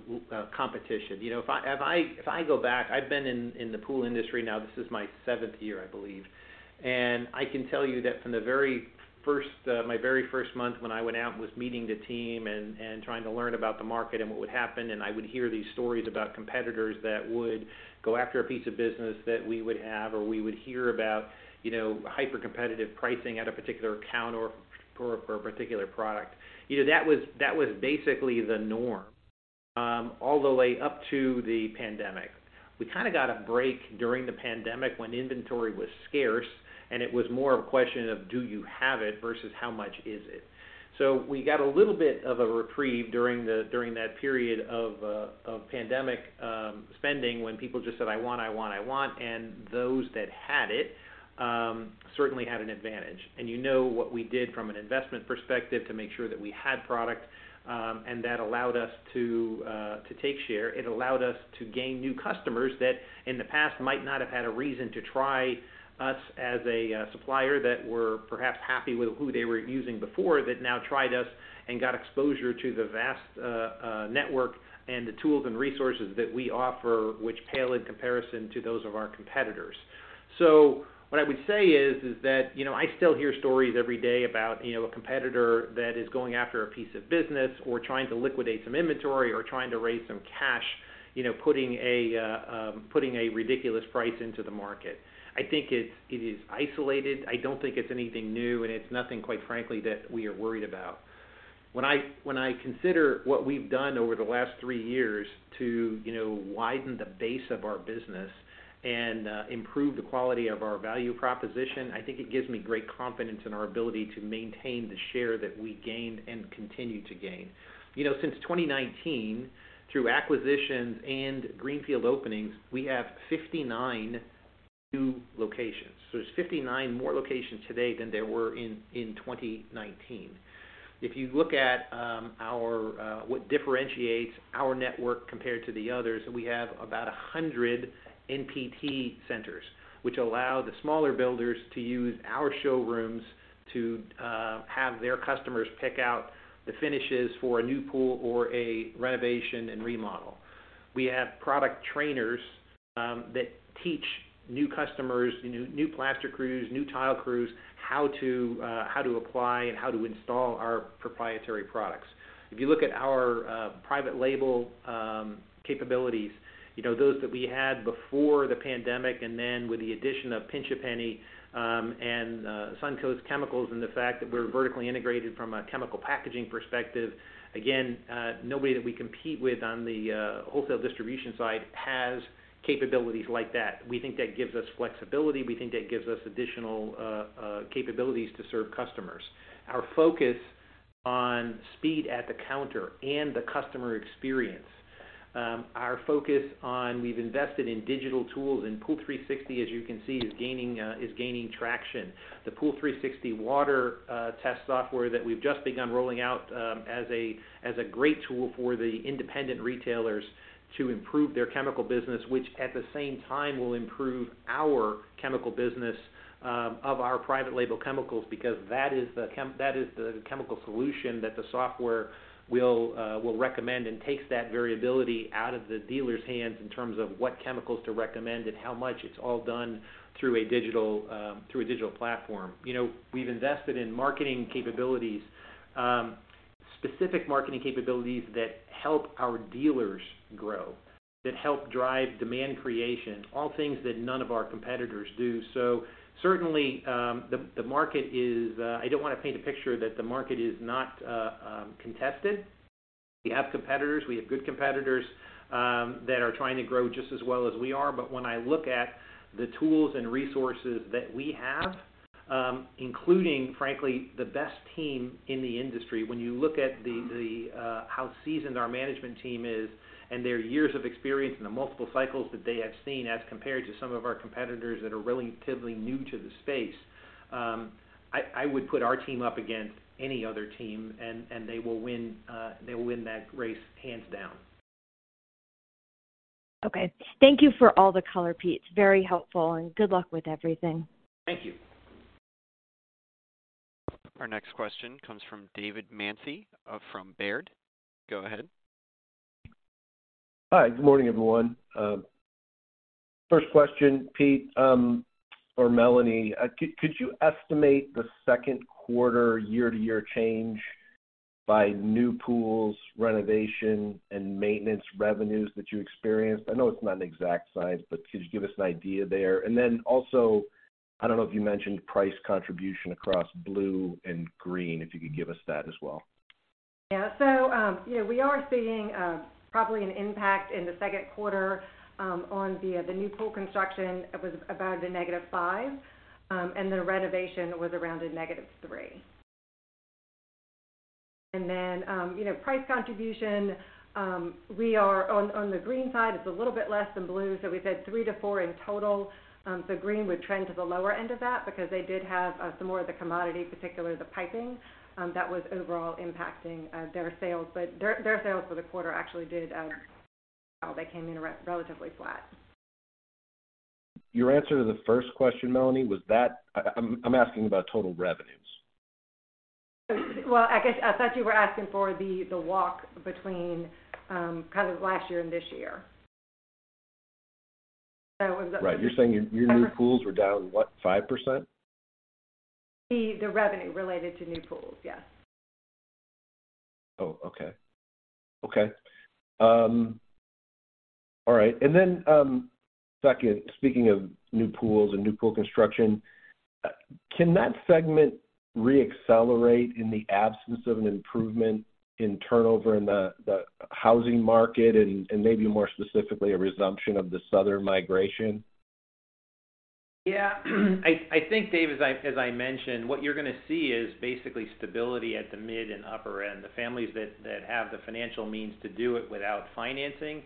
competition. You know, if I, if I go back, I've been in the pool industry now, this is my 7th year, I believe. I can tell you that from the very first, my very first month when I went out and was meeting the team and trying to learn about the market and what would happen, and I would hear these stories about competitors that would go after a piece of business that we would have or we would hear about, you know, hyper-competitive pricing at a particular account or for a particular product. You know, that was basically the norm. All the way up to the pandemic. We kind of got a break during the pandemic when inventory was scarce, it was more of a question of do you have it versus how much is it? We got a little bit of a reprieve during that period of pandemic spending, when people just said, "I want, I want, I want," and those that had it, certainly had an advantage. You know, what we did from an investment perspective to make sure that we had product, and that allowed us to take share. It allowed us to gain new customers that in the past might not have had a reason to try us as a supplier, that were perhaps happy with who they were using before, that now tried us and got exposure to the vast network and the tools and resources that we offer, which pale in comparison to those of our competitors. What I would say is that, you know, I still hear stories every day about, you know, a competitor that is going after a piece of business or trying to liquidate some inventory or trying to raise some cash, you know, putting a ridiculous price into the market. I think it is isolated. I don't think it's anything new, and it's nothing, quite frankly, that we are worried about. When I consider what we've done over the last three years to, you know, widen the base of our business and improve the quality of our value proposition, I think it gives me great confidence in our ability to maintain the share that we gained and continue to gain. Since 2019, through acquisitions and greenfield openings, we have 59 new locations. There's 59 more locations today than there were in 2019. If you look at what differentiates our network compared to the others, we have about 100 NPT centers, which allow the smaller builders to use our showrooms to have their customers pick out the finishes for a new pool or a renovation and remodel. We have product trainers that teach new customers, new plaster crews, new tile crews, how to apply and how to install our proprietary products. If you look at our private label capabilities, you know, those that we had before the pandemic, and then with the addition of Pinch A Penny, and Suncoast Chemicals, and the fact that we're vertically integrated from a chemical packaging perspective, again, nobody that we compete with on the wholesale distribution side has capabilities like that. We think that gives us flexibility. We think that gives us additional capabilities to serve customers. Our focus on speed at the counter and the customer experience, our focus on we've invested in digital tools, and POOL360, as you can see, is gaining traction. The POOL360 water test software that we've just begun rolling out, as a great tool for the independent retailers to improve their chemical business, which at the same time, will improve our chemical business, of our private label chemicals, because that is the chemical solution that the software will recommend and takes that variability out of the dealer's hands in terms of what chemicals to recommend and how much. It's all done through a digital, through a digital platform. You know, we've invested in marketing capabilities, specific marketing capabilities that help our dealers grow, that help drive demand creation, all things that none of our competitors do. Certainly, the market is. I don't want to paint a picture that the market is not contested. We have competitors. We have good competitors that are trying to grow just as well as we are. When I look at the tools and resources that we have, including, frankly, the best team in the industry, when you look at how seasoned our management team is and their years of experience and the multiple cycles that they have seen as compared to some of our competitors that are relatively new to the space, I would put our team up against any other team, and they will win that race hands down. Okay. Thank you for all the color, Pete. It's very helpful, and good luck with everything. Thank you. Our next question comes from David Manthey, from Baird. Go ahead. Hi, good morning, everyone. First question, Pete, or Melanie, could you estimate the 2Q year-over-year change by new pools, renovation, and maintenance revenues that you experienced? I know it's not an exact science, but could you give us an idea there? I don't know if you mentioned price contribution across blue and green, if you could give us that as well. Yeah, we are seeing probably an impact in the second quarter on the new pool construction. It was about a -5%, and the renovation was around a -3%. You know, price contribution, we are on the green side, it's a little bit less than blue. We said 3%-4% in total. Green would trend to the lower end of that because they did have some more of the commodity, particularly the piping, that was overall impacting their sales. Their sales for the quarter actually did, they came in relatively flat. Your answer to the first question, Melanie, I'm asking about total revenues. I guess I thought you were asking for the walk between kind of last year and this year. Right. You're saying your new pools were down, what? 5%? The revenue related to new pools, yes. Oh, okay. Okay. All right. Second, speaking of new pools and new pool construction, can that segment reaccelerate in the absence of an improvement in turnover in the housing market and maybe more specifically, a resumption of the Southern migration? Yeah, I think, Dave, as I, as I mentioned, what you're gonna see is basically stability at the mid and upper end. The families that have the financial means to do it without financing,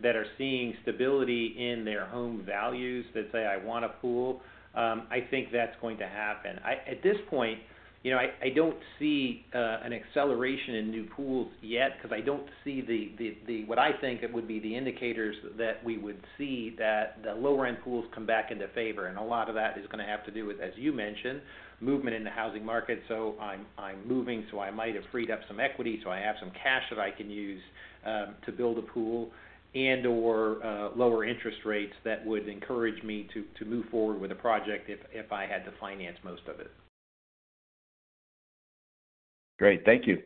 that are seeing stability in their home values, that say, "I want a pool," I think that's going to happen. At this point, you know, I don't see an acceleration in new pools yet, 'cause I don't see the what I think it would be the indicators that we would see that the lower-end pools come back into favor. A lot of that is gonna have to do with, as you mentioned, movement in the housing market. I'm moving, I might have freed up some equity, I have some cash that I can use, to build a pool and/or, lower interest rates that would encourage me to move forward with a project if I had to finance most of it. Great. Thank you.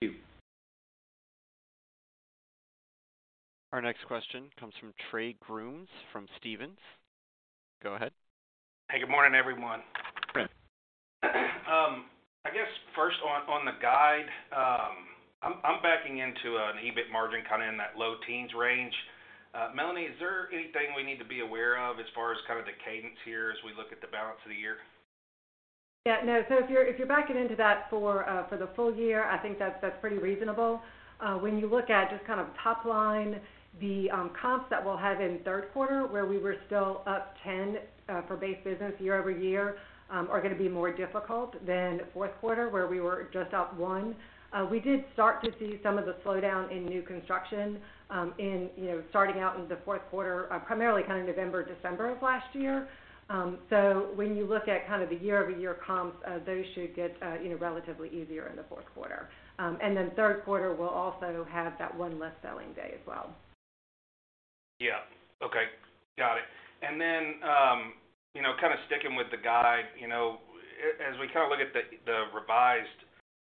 Thank you. Our next question comes from Trey Grooms from Stephens. Go ahead. Good morning, everyone. I guess, first on the guide, I'm backing into an EBIT margin kind of in that low teens range. Melanie, is there anything we need to be aware of as far as kind of the cadence here as we look at the balance of the year? Yeah, no. If you're, if you're backing into that for the full year, I think that's pretty reasonable. When you look at just kind of top line, the comps that we'll have in third quarter, where we were still up 10%, for base business year-over-year, are gonna be more difficult than fourth quarter, where we were just up 1%. We did start to see some of the slowdown in new construction, in, you know, starting out in the fourth quarter, primarily kind of November, December of last year. When you look at kind of the year-over-year comps, those should get, you know, relatively easier in the fourth quarter. Third quarter will also have that one less selling day as well. Yeah. Okay, got it. Then, you know, kind of sticking with the guide, you know, as we kind of look at the revised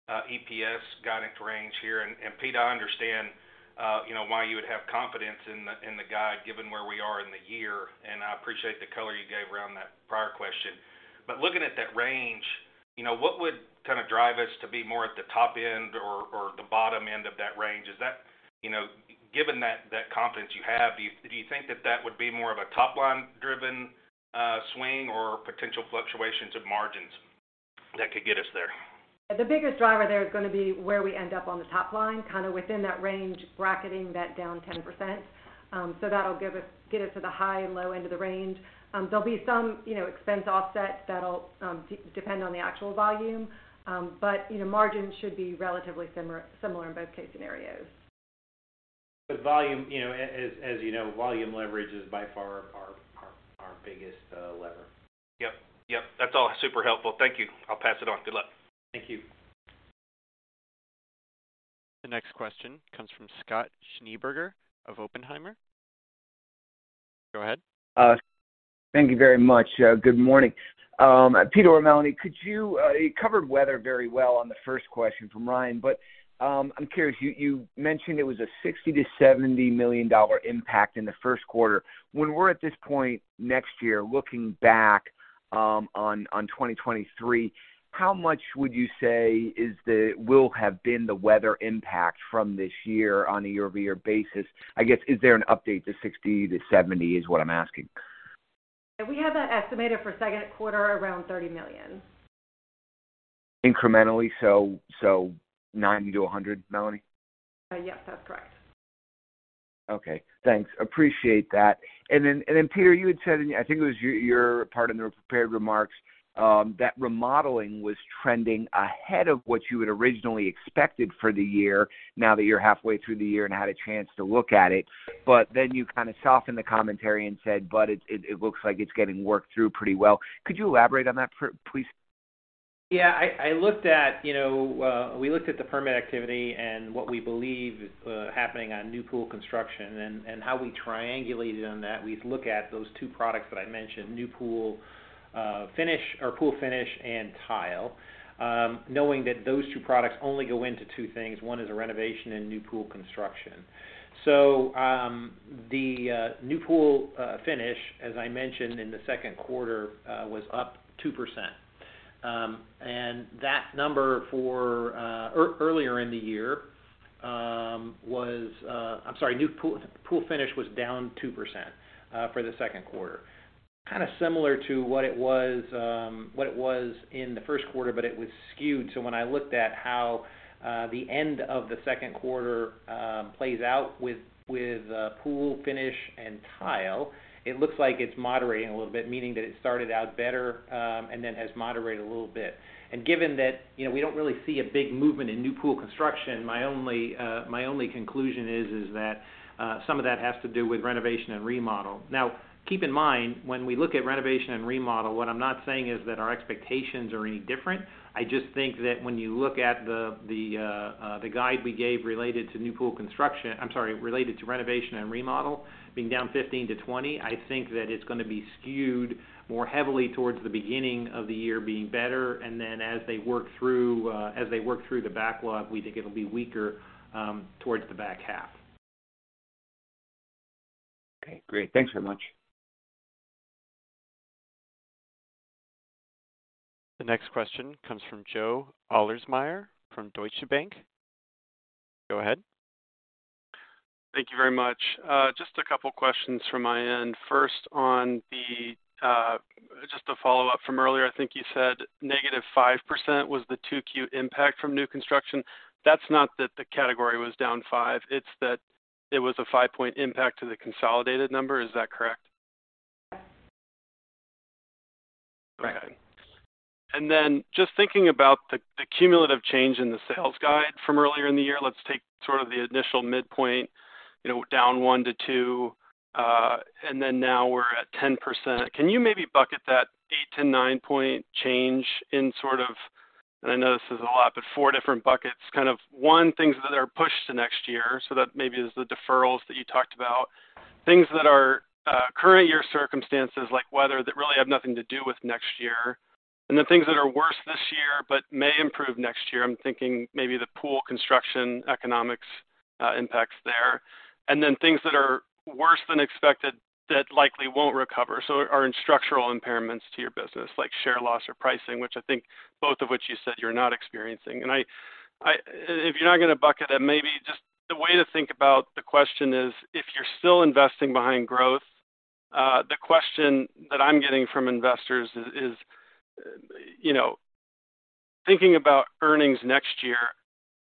EPS guidance range here, and Pete, I understand, you know, why you would have confidence in the guide, given where we are in the year, and I appreciate the color you gave around that prior question. Looking at that range, you know, what would kind of drive us to be more at the top end or the bottom end of that range? Is that, you know, given that confidence you have, do you think that that would be more of a top-line driven swing or potential fluctuations of margins that could get us there? The biggest driver there is gonna be where we end up on the top line, kind of within that range, bracketing that down 10%. That'll get us to the high and low end of the range. There'll be some, you know, expense offsets that'll depend on the actual volume. You know, margins should be relatively similar in both case scenarios. Volume, you know, as you know, volume leverage is by far our biggest lever. Yep. Yep, that's all super helpful. Thank you. I'll pass it on. Good luck. Thank you. The next question comes from Scott Schneeberger of Oppenheimer. Go ahead. Thank you very much. Good morning. Peter or Melanie, could you covered weather very well on the first question from Ryan, I'm curious, you mentioned it was a $60 million-$70 million impact in the first quarter. When we're at this point next year, looking back on 2023, how much would you say will have been the weather impact from this year on a year-over-year basis? I guess, is there an update to $60 million-$70 million, is what I'm asking? We have that estimated for second quarter around $30 million. Incrementally, so 90 to 100, Melanie? yes, that's correct. Okay, thanks. Appreciate that. Then, Peter, you had said, and I think it was your part in the prepared remarks, that remodeling was trending ahead of what you had originally expected for the year, now that you're halfway through the year and had a chance to look at it. Then you kind of softened the commentary and said, "But it looks like it's getting worked through pretty well." Could you elaborate on that please? Yeah. I looked at, you know, we looked at the permit activity and what we believe happening on new pool construction and how we triangulated on that. We've looked at those two products that I mentioned, new pool finish or pool finish and tile, knowing that those two products only go into two things. One is a renovation and new pool construction. The new pool finish, as I mentioned in the second quarter, was up 2%. That number for earlier in the year was... I'm sorry, new pool finish was down 2% for the second quarter. Kind of similar to what it was, what it was in the first quarter, but it was skewed. When I looked at how the end of the second quarter plays out with pool finish and tile, it looks like it's moderating a little bit, meaning that it started out better, and then has moderated a little bit. Given that, you know, we don't really see a big movement in new pool construction, my only conclusion is that some of that has to do with renovation and remodel. Keep in mind, when we look at renovation and remodel, what I'm not saying is that our expectations are any different. I just think that when you look at the guide we gave related to new pool construction, I'm sorry, related to renovation and remodel, being down 15%-20%, I think that it's gonna be skewed more heavily towards the beginning of the year being better, and then as they work through the backlog, we think it'll be weaker, towards the back half. Okay, great. Thanks very much. The next question comes from Joe Ahlersmeyer from Deutsche Bank. Go ahead. Thank you very much. Just a couple questions from my end. First, on the, just to follow up from earlier, I think you said -5% was the 2Q impact from new construction. That's not that the category was down 5, it's that it was a 5-point impact to the consolidated number. Is that correct? Correct. Then just thinking about the cumulative change in the sales guide from earlier in the year, let's take sort of the initial midpoint, you know, down 1% to 2%, and then now we're at 10%. Can you maybe bucket that 8-9 percentage point change in sort of. I know this is a lot, but four different buckets, kind of: 1, things that are pushed to next year, so that maybe is the deferrals that you talked about. Things that are current year circumstances like weather, that really have nothing to do with next year, and the things that are worse this year but may improve next year. I'm thinking maybe the pool construction economics impacts there. Then things that are worse than expected, that likely won't recover, so are in structural impairments to your business, like share loss or pricing, which I think both of which you said you're not experiencing. I if you're not gonna bucket it, maybe just the way to think about the question is, if you're still investing behind growth, the question that I'm getting from investors is, you know, thinking about earnings next year,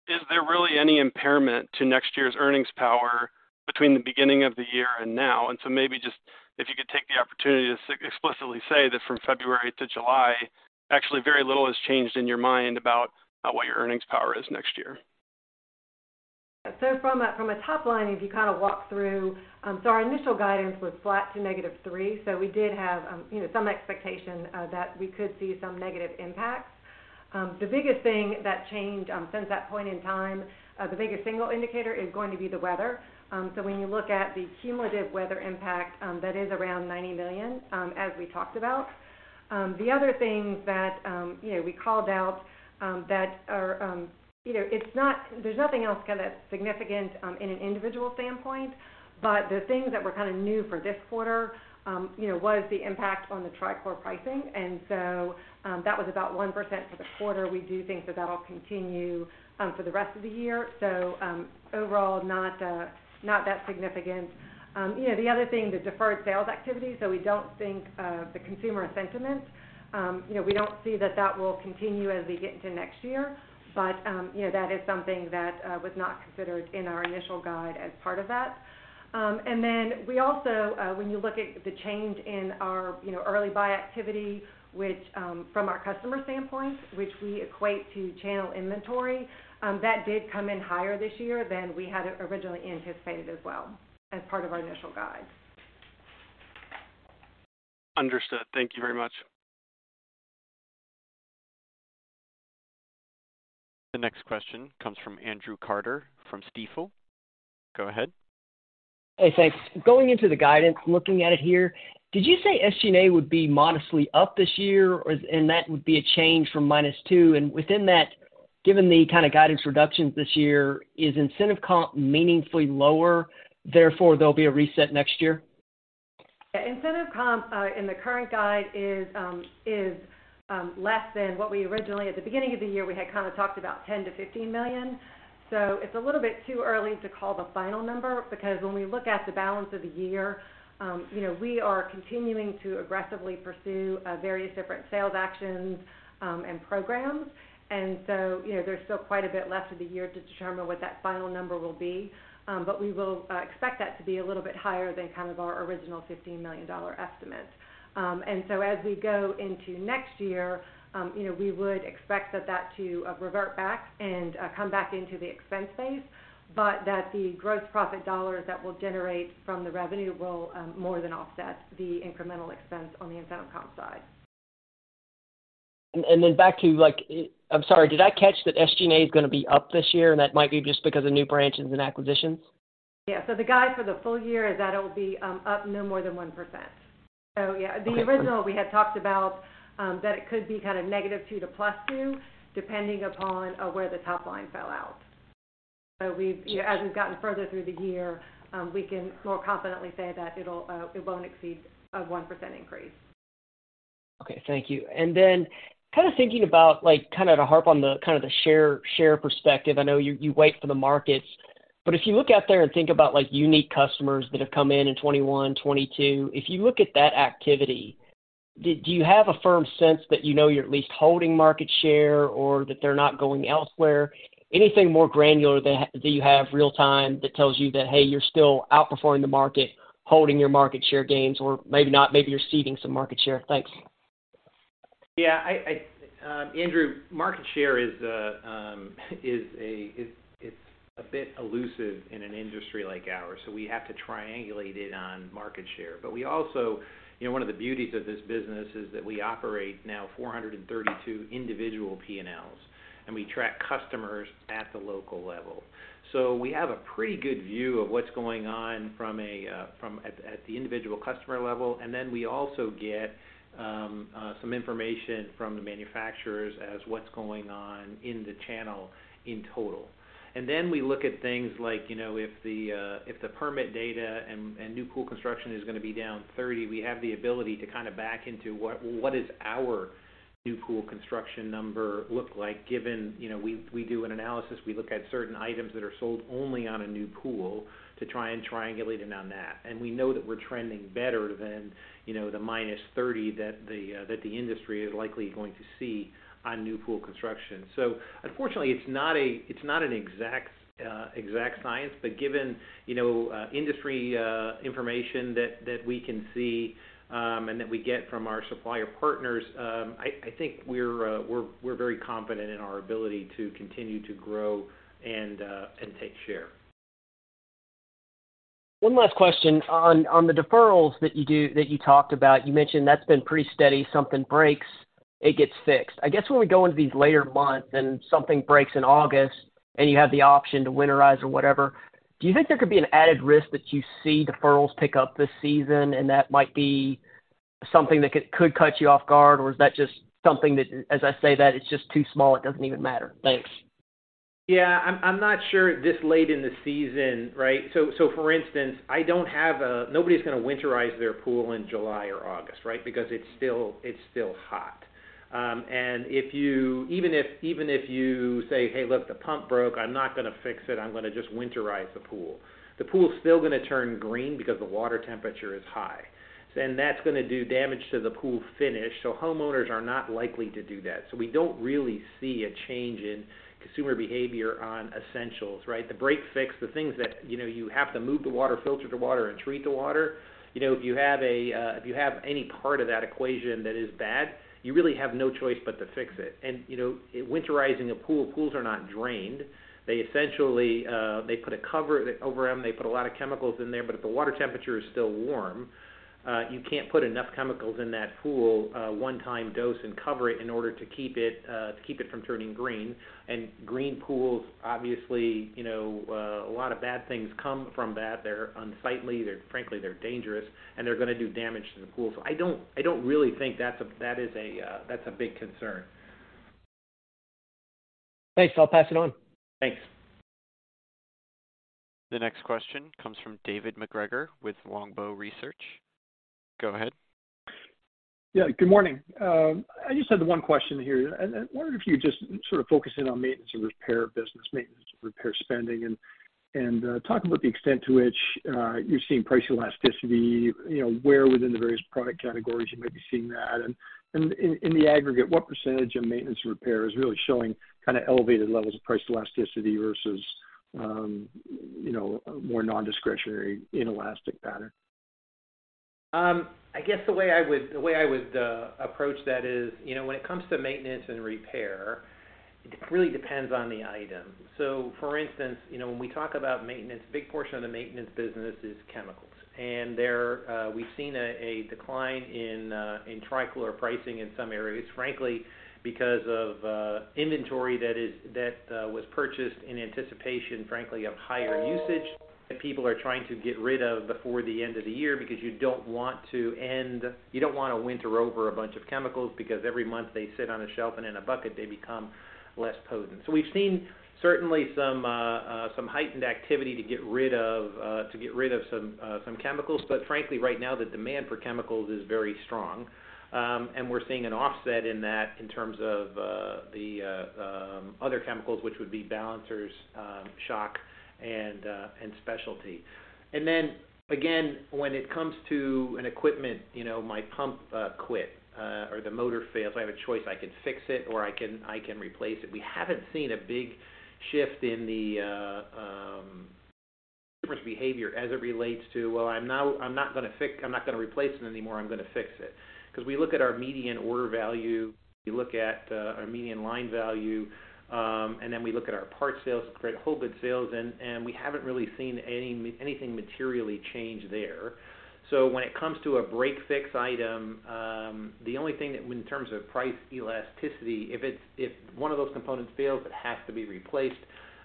is there really any impairment to next year's earnings power between the beginning of the year and now? Maybe just if you could take the opportunity to explicitly say that from February to July, actually very little has changed in your mind about what your earnings power is next year. From a top line, if you kind of walk through, our initial guidance was flat to -3%. We did have, you know, some expectation that we could see some negative impacts. The biggest thing that changed since that point in time, the biggest single indicator is going to be the weather. When you look at the cumulative weather impact, that is around $90 million, as we talked about. The other things that, you know, we called out that are, you know, there's nothing else kind of significant in an individual standpoint, but the things that were kind of new for this quarter, you know, was the impact on the trichlor pricing. That was about 1% for the quarter. We do think that that'll continue for the rest of the year. Overall, not not that significant. You know, the other thing, the deferred sales activity. We don't think the consumer sentiment, you know, we don't see that that will continue as we get into next year, but, you know, that is something that was not considered in our initial guide as part of that. We also, when you look at the change in our, you know, early buy activity, which from our customer standpoint, which we equate to channel inventory, that did come in higher this year than we had originally anticipated as well as part of our initial guide. Understood. Thank you very much. The next question comes from Andrew Carter from Stifel. Go ahead. Hey, thanks. Going into the guidance, looking at it here, did you say SG&A would be modestly up this year, or that would be a change from -2%? Within that, given the kind of guidance reductions this year, is incentive comp meaningfully lower, therefore, there'll be a reset next year? Yeah, incentive comp, in the current guide is less than what we originally. At the beginning of the year, we had kind of talked about $10 million-$15 million. It's a little bit too early to call the final number, because when we look at the balance of the year, you know, we are continuing to aggressively pursue various different sales actions, and programs. You know, there's still quite a bit left of the year to determine what that final number will be. We will expect that to be a little bit higher than kind of our original $15 million estimate. As we go into next year, you know, we would expect that that to revert back and come back into the expense phase, but that the gross profit dollars that we'll generate from the revenue will more than offset the incremental expense on the incentive comp side. back to, like, I'm sorry, did I catch that SG&A is gonna be up this year, and that might be just because of new branches and acquisitions? Yeah. The guide for the full year is that it will be up no more than 1%. Yeah, the original we had talked about that it could be kind of -2% to +2%, depending upon where the top line fell out. We've, you know, as we've gotten further through the year, we can more confidently say that it'll it won't exceed a 1% increase. Okay, thank you. Kind of thinking about like, kind of to harp on the, kind of the share perspective, I know you wait for the markets, if you look out there and think about, like, unique customers that have come in in 21, 22, if you look at that activity, do you have a firm sense that you know you're at least holding market share or that they're not going elsewhere? Anything more granular that you have real-time, that tells you that, hey, you're still outperforming the market, holding your market share gains, or maybe not, maybe you're ceding some market share? Thanks. Yeah, I, Andrew, market share is, it's a bit elusive in an industry like ours. We have to triangulate it on market share. We also, you know, one of the beauties of this business is that we operate now 432 individual P&Ls, and we track customers at the local level. We have a pretty good view of what's going on at the individual customer level. We also get some information from the manufacturers as what's going on in the channel in total. Then we look at things like, you know, if the permit data and new pool construction is gonna be down 30%, we have the ability to kind of back into what is our new pool construction number look like, given, you know, we do an analysis, we look at certain items that are sold only on a new pool to try and triangulate in on that. We know that we're trending better than, you know, the -30% that the industry is likely going to see on new pool construction. Unfortunately, it's not an exact science, but given, you know, industry information that we can see, and that we get from our supplier partners, I think we're very confident in our ability to continue to grow and take share. One last question. On the deferrals that you talked about, you mentioned that's been pretty steady. Something breaks, it gets fixed. I guess when we go into these later months and something breaks in August, and you have the option to winterize or whatever, do you think there could be an added risk that you see deferrals pick up this season, and that might be something that could catch you off guard? Or is that just something that, as I say, that it's just too small, it doesn't even matter? Thanks. Yeah, I'm not sure this late in the season, right? For instance, nobody's gonna winterize their pool in July or August, right? Because it's still, it's still hot. Even if you say, "Hey, look, the pump broke, I'm not gonna fix it, I'm gonna just winterize the pool," the pool is still gonna turn green because the water temperature is high, and that's gonna do damage to the pool finish. Homeowners are not likely to do that. We don't really see a change in consumer behavior on essentials, right? The break, fix, the things that, you know, you have to move the water, filter the water, and treat the water. You know, if you have a, if you have any part of that equation that is bad, you really have no choice but to fix it. You know, winterizing a pool, pools are not drained. They essentially, they put a cover over them, they put a lot of chemicals in there, but if the water temperature is still warm, you can't put enough chemicals in that pool, one-time dose and cover it in order to keep it, to keep it from turning green. Green pools, obviously, you know, a lot of bad things come from that. They're unsightly, they're frankly, they're dangerous, and they're gonna do damage to the pool. I don't really think that's a, that is a, that's a big concern. Thanks. I'll pass it on. Thanks. The next question comes from David MacGregor with Longbow Research. Go ahead. Yeah, good morning. I just had one question here. Wonder if you just sort of focus in on maintenance and repair business, maintenance and repair spending, and talk about the extent to which you're seeing price elasticity, you know, where within the various product categories you might be seeing that. In the aggregate, what percentage of maintenance and repair is really showing elevated levels of price elasticity versus, you know, more nondiscretionary inelastic pattern? I guess the way I would approach that is, you know, when it comes to maintenance and repair, it really depends on the item. For instance, you know, when we talk about maintenance, a big portion of the maintenance business is chemicals. There, we've seen a decline in trichlor pricing in some areas, frankly, because of inventory that was purchased in anticipation, frankly, of higher usage, that people are trying to get rid of before the end of the year, because you don't want to winter over a bunch of chemicals, because every month they sit on a shelf and in a bucket, they become less potent. We've seen certainly some heightened activity to get rid of some chemicals. Frankly, right now, the demand for chemicals is very strong. We're seeing an offset in that in terms of the other chemicals, which would be balancers, shock, and specialty. Again, when it comes to an equipment, you know, my pump quit or the motor fails, I have a choice. I can fix it, or I can replace it. We haven't seen a big shift in the consumer behavior as it relates to, "Well, I'm not gonna replace it anymore, I'm gonna fix it." We look at our median order value, we look at our median line value, we look at our parts sales, credit, whole good sales, and we haven't really seen anything materially change there. When it comes to a break, fix item, the only thing that when in terms of price elasticity, if one of those components fails, it has to be replaced.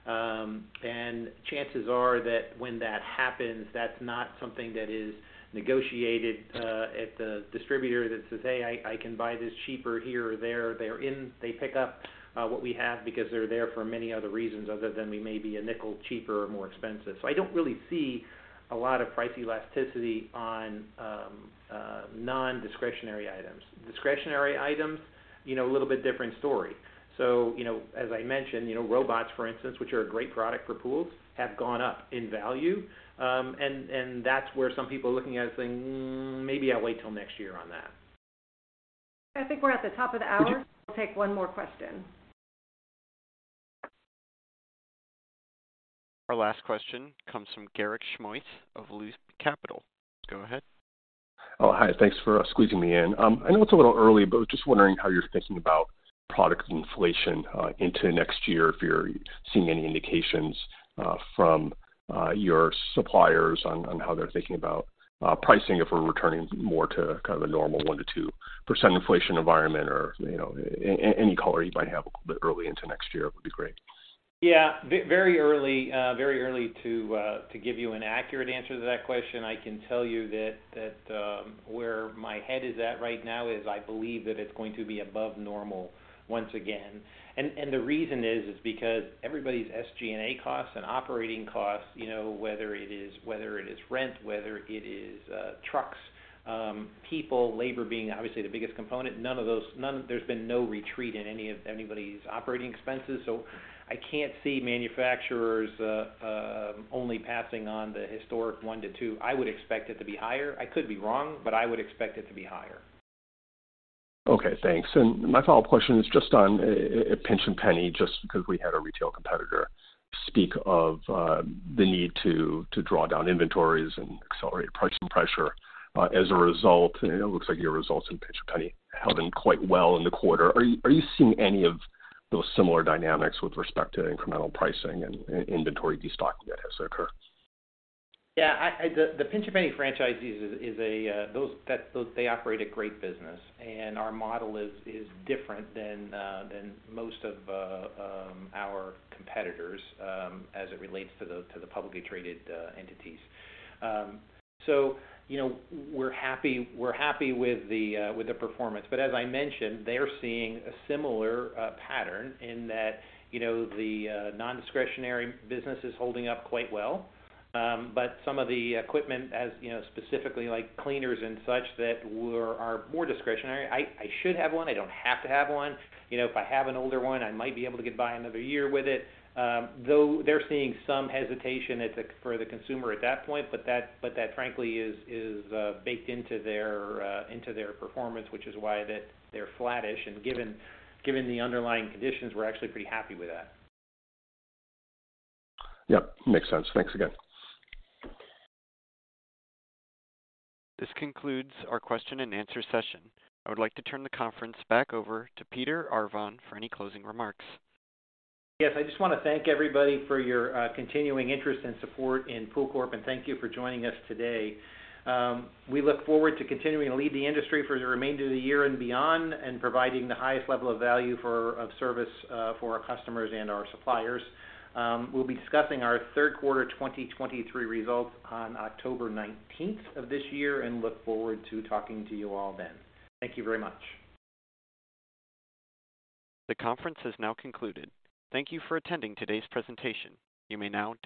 Chances are that when that happens, that's not something that is negotiated at the distributor that says, "Hey, I can buy this cheaper here or there." They're in... They pick up what we have because they're there for many other reasons other than we may be a nickel cheaper or more expensive. I don't really see a lot of price elasticity on nondiscretionary items. Discretionary items, you know, a little bit different story. As I mentioned, you know, robots, for instance, which are a great product for pools, have gone up in value. That's where some people are looking at it and saying, "Hmm, maybe I'll wait till next year on that. I think we're at the top of the hour. Okay. We'll take one more question. Our last question comes from Garik Shmois of Loop Capital. Go ahead. Hi, thanks for squeezing me in. I know it's a little early, but just wondering how you're thinking about product inflation into next year, if you're seeing any indications from your suppliers on how they're thinking about pricing, if we're returning more to kind of a normal 1%-2% inflation environment or any color you might have a bit early into next year would be great? Yeah, very early, very early to give you an accurate answer to that question. I can tell you that, where my head is at right now is I believe that it's going to be above normal once again. The reason is because everybody's SG&A costs and operating costs, you know, whether it is, whether it is rent, whether it is trucks, people, labor being obviously the biggest component, none, there's been no retreat in any of anybody's operating expenses. I can't see manufacturers only passing on the historic 1-2. I would expect it to be higher. I could be wrong, but I would expect it to be higher. Okay, thanks. My follow-up question is just on Pinch A Penny, just because we had a retail competitor speak of the need to draw down inventories and accelerate pricing pressure. As a result, it looks like your results in Pinch A Penny held in quite well in the quarter. Are you seeing any of those similar dynamics with respect to incremental pricing and in-inventory destocking that has occurred? Yeah, I, the Pinch A Penny franchisees. They operate a great business. Our model is different than most of our competitors as it relates to the publicly traded entities. You know, we're happy with the performance, as I mentioned, they're seeing a similar pattern in that, you know, the non-discretionary business is holding up quite well. Some of the equipment, as, you know, specifically like cleaners and such, are more discretionary, I should have one. I don't have to have one. You know, if I have an older one, I might be able to get by another year with it. Though they're seeing some hesitation at the, for the consumer at that point, but that, frankly, is baked into their, into their performance, which is why that they're flattish. Given the underlying conditions, we're actually pretty happy with that. Yep, makes sense. Thanks again. This concludes our question and answer session. I would like to turn the conference back over to Peter Arvan for any closing remarks. I just want to thank everybody for your continuing interest and support in PoolCorp, and thank you for joining us today. We look forward to continuing to lead the industry for the remainder of the year and beyond, and providing the highest level of value for, of service for our customers and our suppliers. We'll be discussing our third quarter 2023 results on October 19th of this year, and look forward to talking to you all then. Thank you very much. The conference has now concluded. Thank you for attending today's presentation. You may now disconnect.